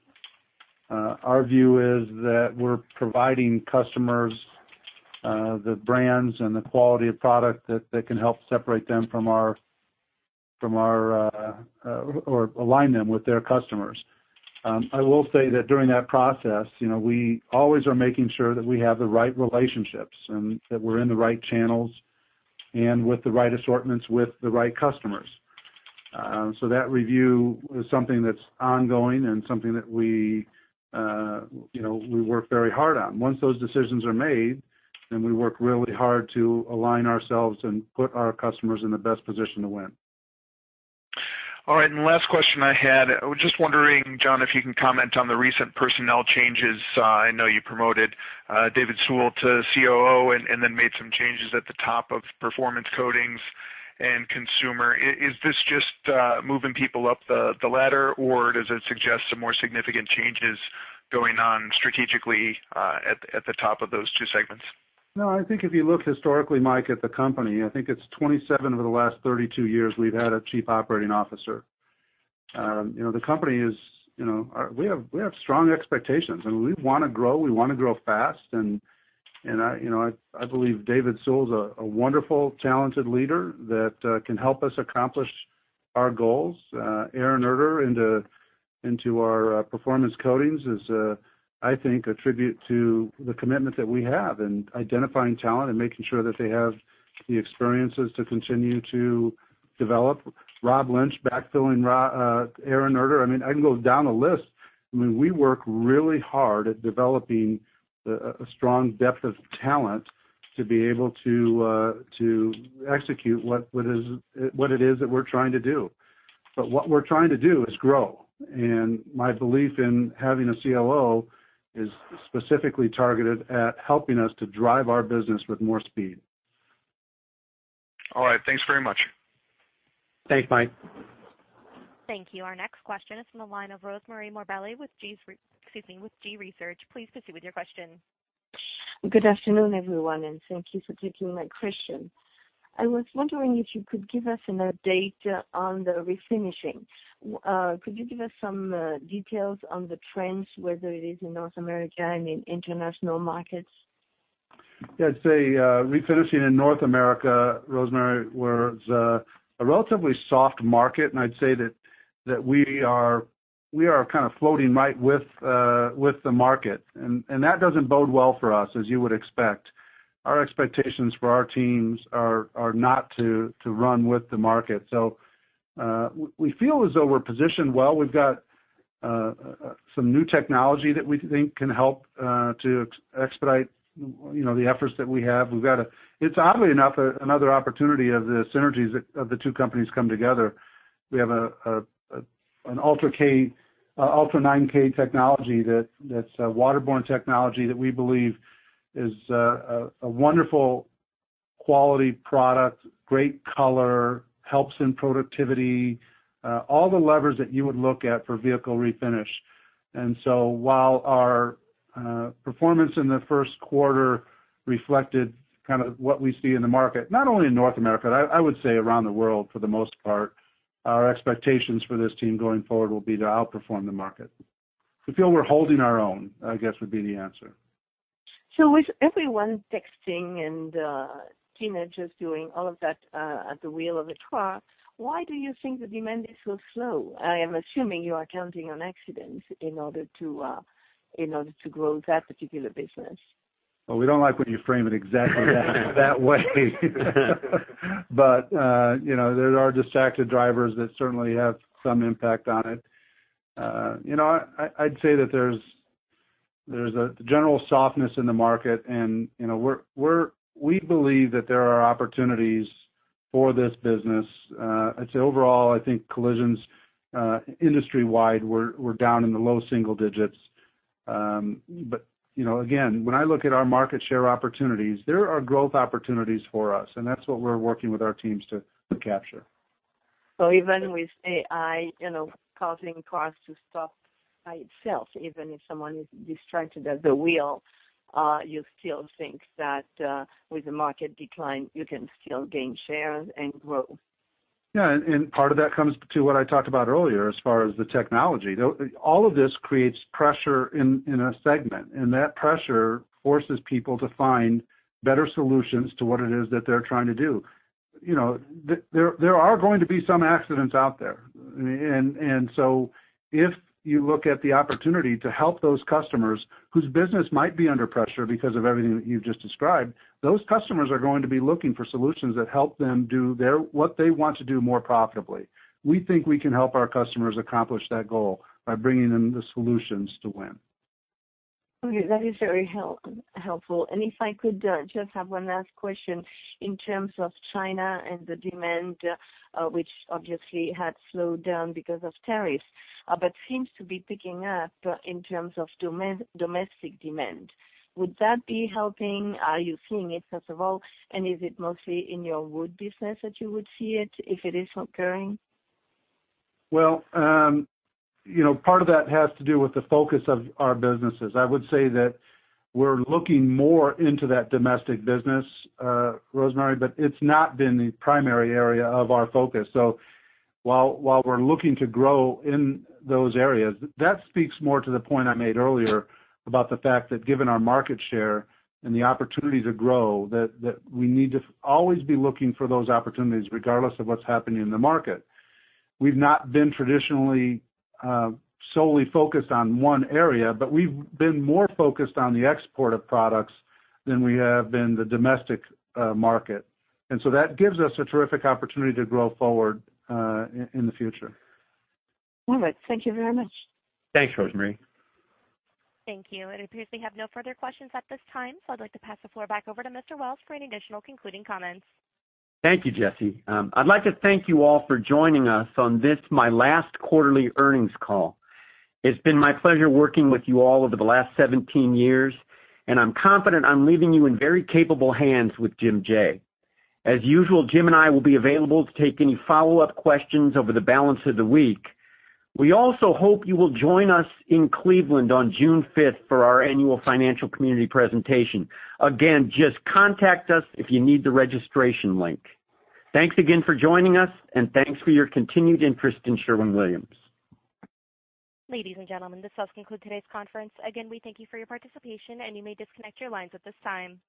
Our view is that we're providing customers the brands and the quality of product that can help separate them or align them with their customers. I will say that during that process, we always are making sure that we have the right relationships and that we're in the right channels and with the right assortments with the right customers. That review is something that's ongoing and something that we work very hard on. Once those decisions are made, we work really hard to align ourselves and put our customers in the best position to win. All right, the last question I had, I was just wondering, John, if you can comment on the recent personnel changes. I know you promoted David Sewell to COO and then made some changes at the top of Performance Coatings and Consumer. Is this just moving people up the ladder, or does it suggest some more significant changes Going on strategically at the top of those two segments. No, I think if you look historically, Mike, at the company, I think it's 27 of the last 32 years we've had a chief operating officer. We have strong expectations, we want to grow, we want to grow fast. I believe David Sewell is a wonderful, talented leader that can help us accomplish our goals. Aaron Erter into our Performance Coatings is, I think, a tribute to the commitment that we have in identifying talent and making sure that they have the experiences to continue to develop. Rob Lynch backfilling Aaron Erter. I can go down the list. We work really hard at developing a strong depth of talent to be able to execute what it is that we're trying to do. What we're trying to do is grow. My belief in having a COO is specifically targeted at helping us to drive our business with more speed. All right. Thanks very much. Thanks, Mike. Thank you. Our next question is from the line of Rosemarie Morbelli with G.research. Please proceed with your question. Good afternoon, everyone, and thank you for taking my question. I was wondering if you could give us an update on the refinishing. Could you give us some details on the trends, whether it is in North America and in international markets? Yeah, I'd say refinishing in North America, Rosemarie, where it's a relatively soft market, and I'd say that we are kind of floating right with the market. That doesn't bode well for us, as you would expect. Our expectations for our teams are not to run with the market. We feel as though we're positioned well. We've got some new technology that we think can help to expedite the efforts that we have. It's oddly enough another opportunity of the synergies of the two companies come together. We have an Ultra 9K technology that's a waterborne technology that we believe is a wonderful quality product, great color, helps in productivity, all the levers that you would look at for vehicle refinish. While our performance in the first quarter reflected kind of what we see in the market, not only in North America, I would say around the world for the most part, our expectations for this team going forward will be to outperform the market. We feel we're holding our own, I guess, would be the answer. With everyone texting and teenagers doing all of that at the wheel of a car, why do you think the demand is so slow? I am assuming you are counting on accidents in order to grow that particular business. Well, we don't like when you frame it exactly that way. There are distracted drivers that certainly have some impact on it. I'd say that there's a general softness in the market, and we believe that there are opportunities for this business. I'd say overall, I think collisions industry-wide were down in the low single digits. Again, when I look at our market share opportunities, there are growth opportunities for us, and that's what we're working with our teams to capture. Even with AI causing cars to stop by itself, even if someone is distracted at the wheel, you still think that with the market decline, you can still gain share and grow? Yeah, part of that comes to what I talked about earlier as far as the technology. All of this creates pressure in a segment, and that pressure forces people to find better solutions to what it is that they're trying to do. There are going to be some accidents out there. If you look at the opportunity to help those customers whose business might be under pressure because of everything that you just described, those customers are going to be looking for solutions that help them do what they want to do more profitably. We think we can help our customers accomplish that goal by bringing them the solutions to win. Okay. That is very helpful. If I could just have one last question in terms of China and the demand, which obviously had slowed down because of tariffs, but seems to be picking up in terms of domestic demand. Would that be helping? Are you seeing it, first of all? Is it mostly in your wood business that you would see it if it is occurring? Well, part of that has to do with the focus of our businesses. I would say that we're looking more into that domestic business, Rosemarie, but it's not been the primary area of our focus. While we're looking to grow in those areas, that speaks more to the point I made earlier about the fact that given our market share and the opportunity to grow, that we need to always be looking for those opportunities regardless of what's happening in the market. We've not been traditionally solely focused on one area, but we've been more focused on the export of products than we have been the domestic market. That gives us a terrific opportunity to grow forward in the future. All right. Thank you very much. Thanks, Rosemarie. Thank you. It appears we have no further questions at this time, I'd like to pass the floor back over to Mr. Wells for any additional concluding comments. Thank you, Jesse. I'd like to thank you all for joining us on this, my last quarterly earnings call. It's been my pleasure working with you all over the last 17 years, I'm confident I'm leaving you in very capable hands with Jim Jaye. As usual, Jim and I will be available to take any follow-up questions over the balance of the week. We also hope you will join us in Cleveland on June 5th for our annual financial community presentation. Again, just contact us if you need the registration link. Thanks again for joining us, thanks for your continued interest in Sherwin-Williams. Ladies and gentlemen, this does conclude today's conference. Again, we thank you for your participation, and you may disconnect your lines at this time.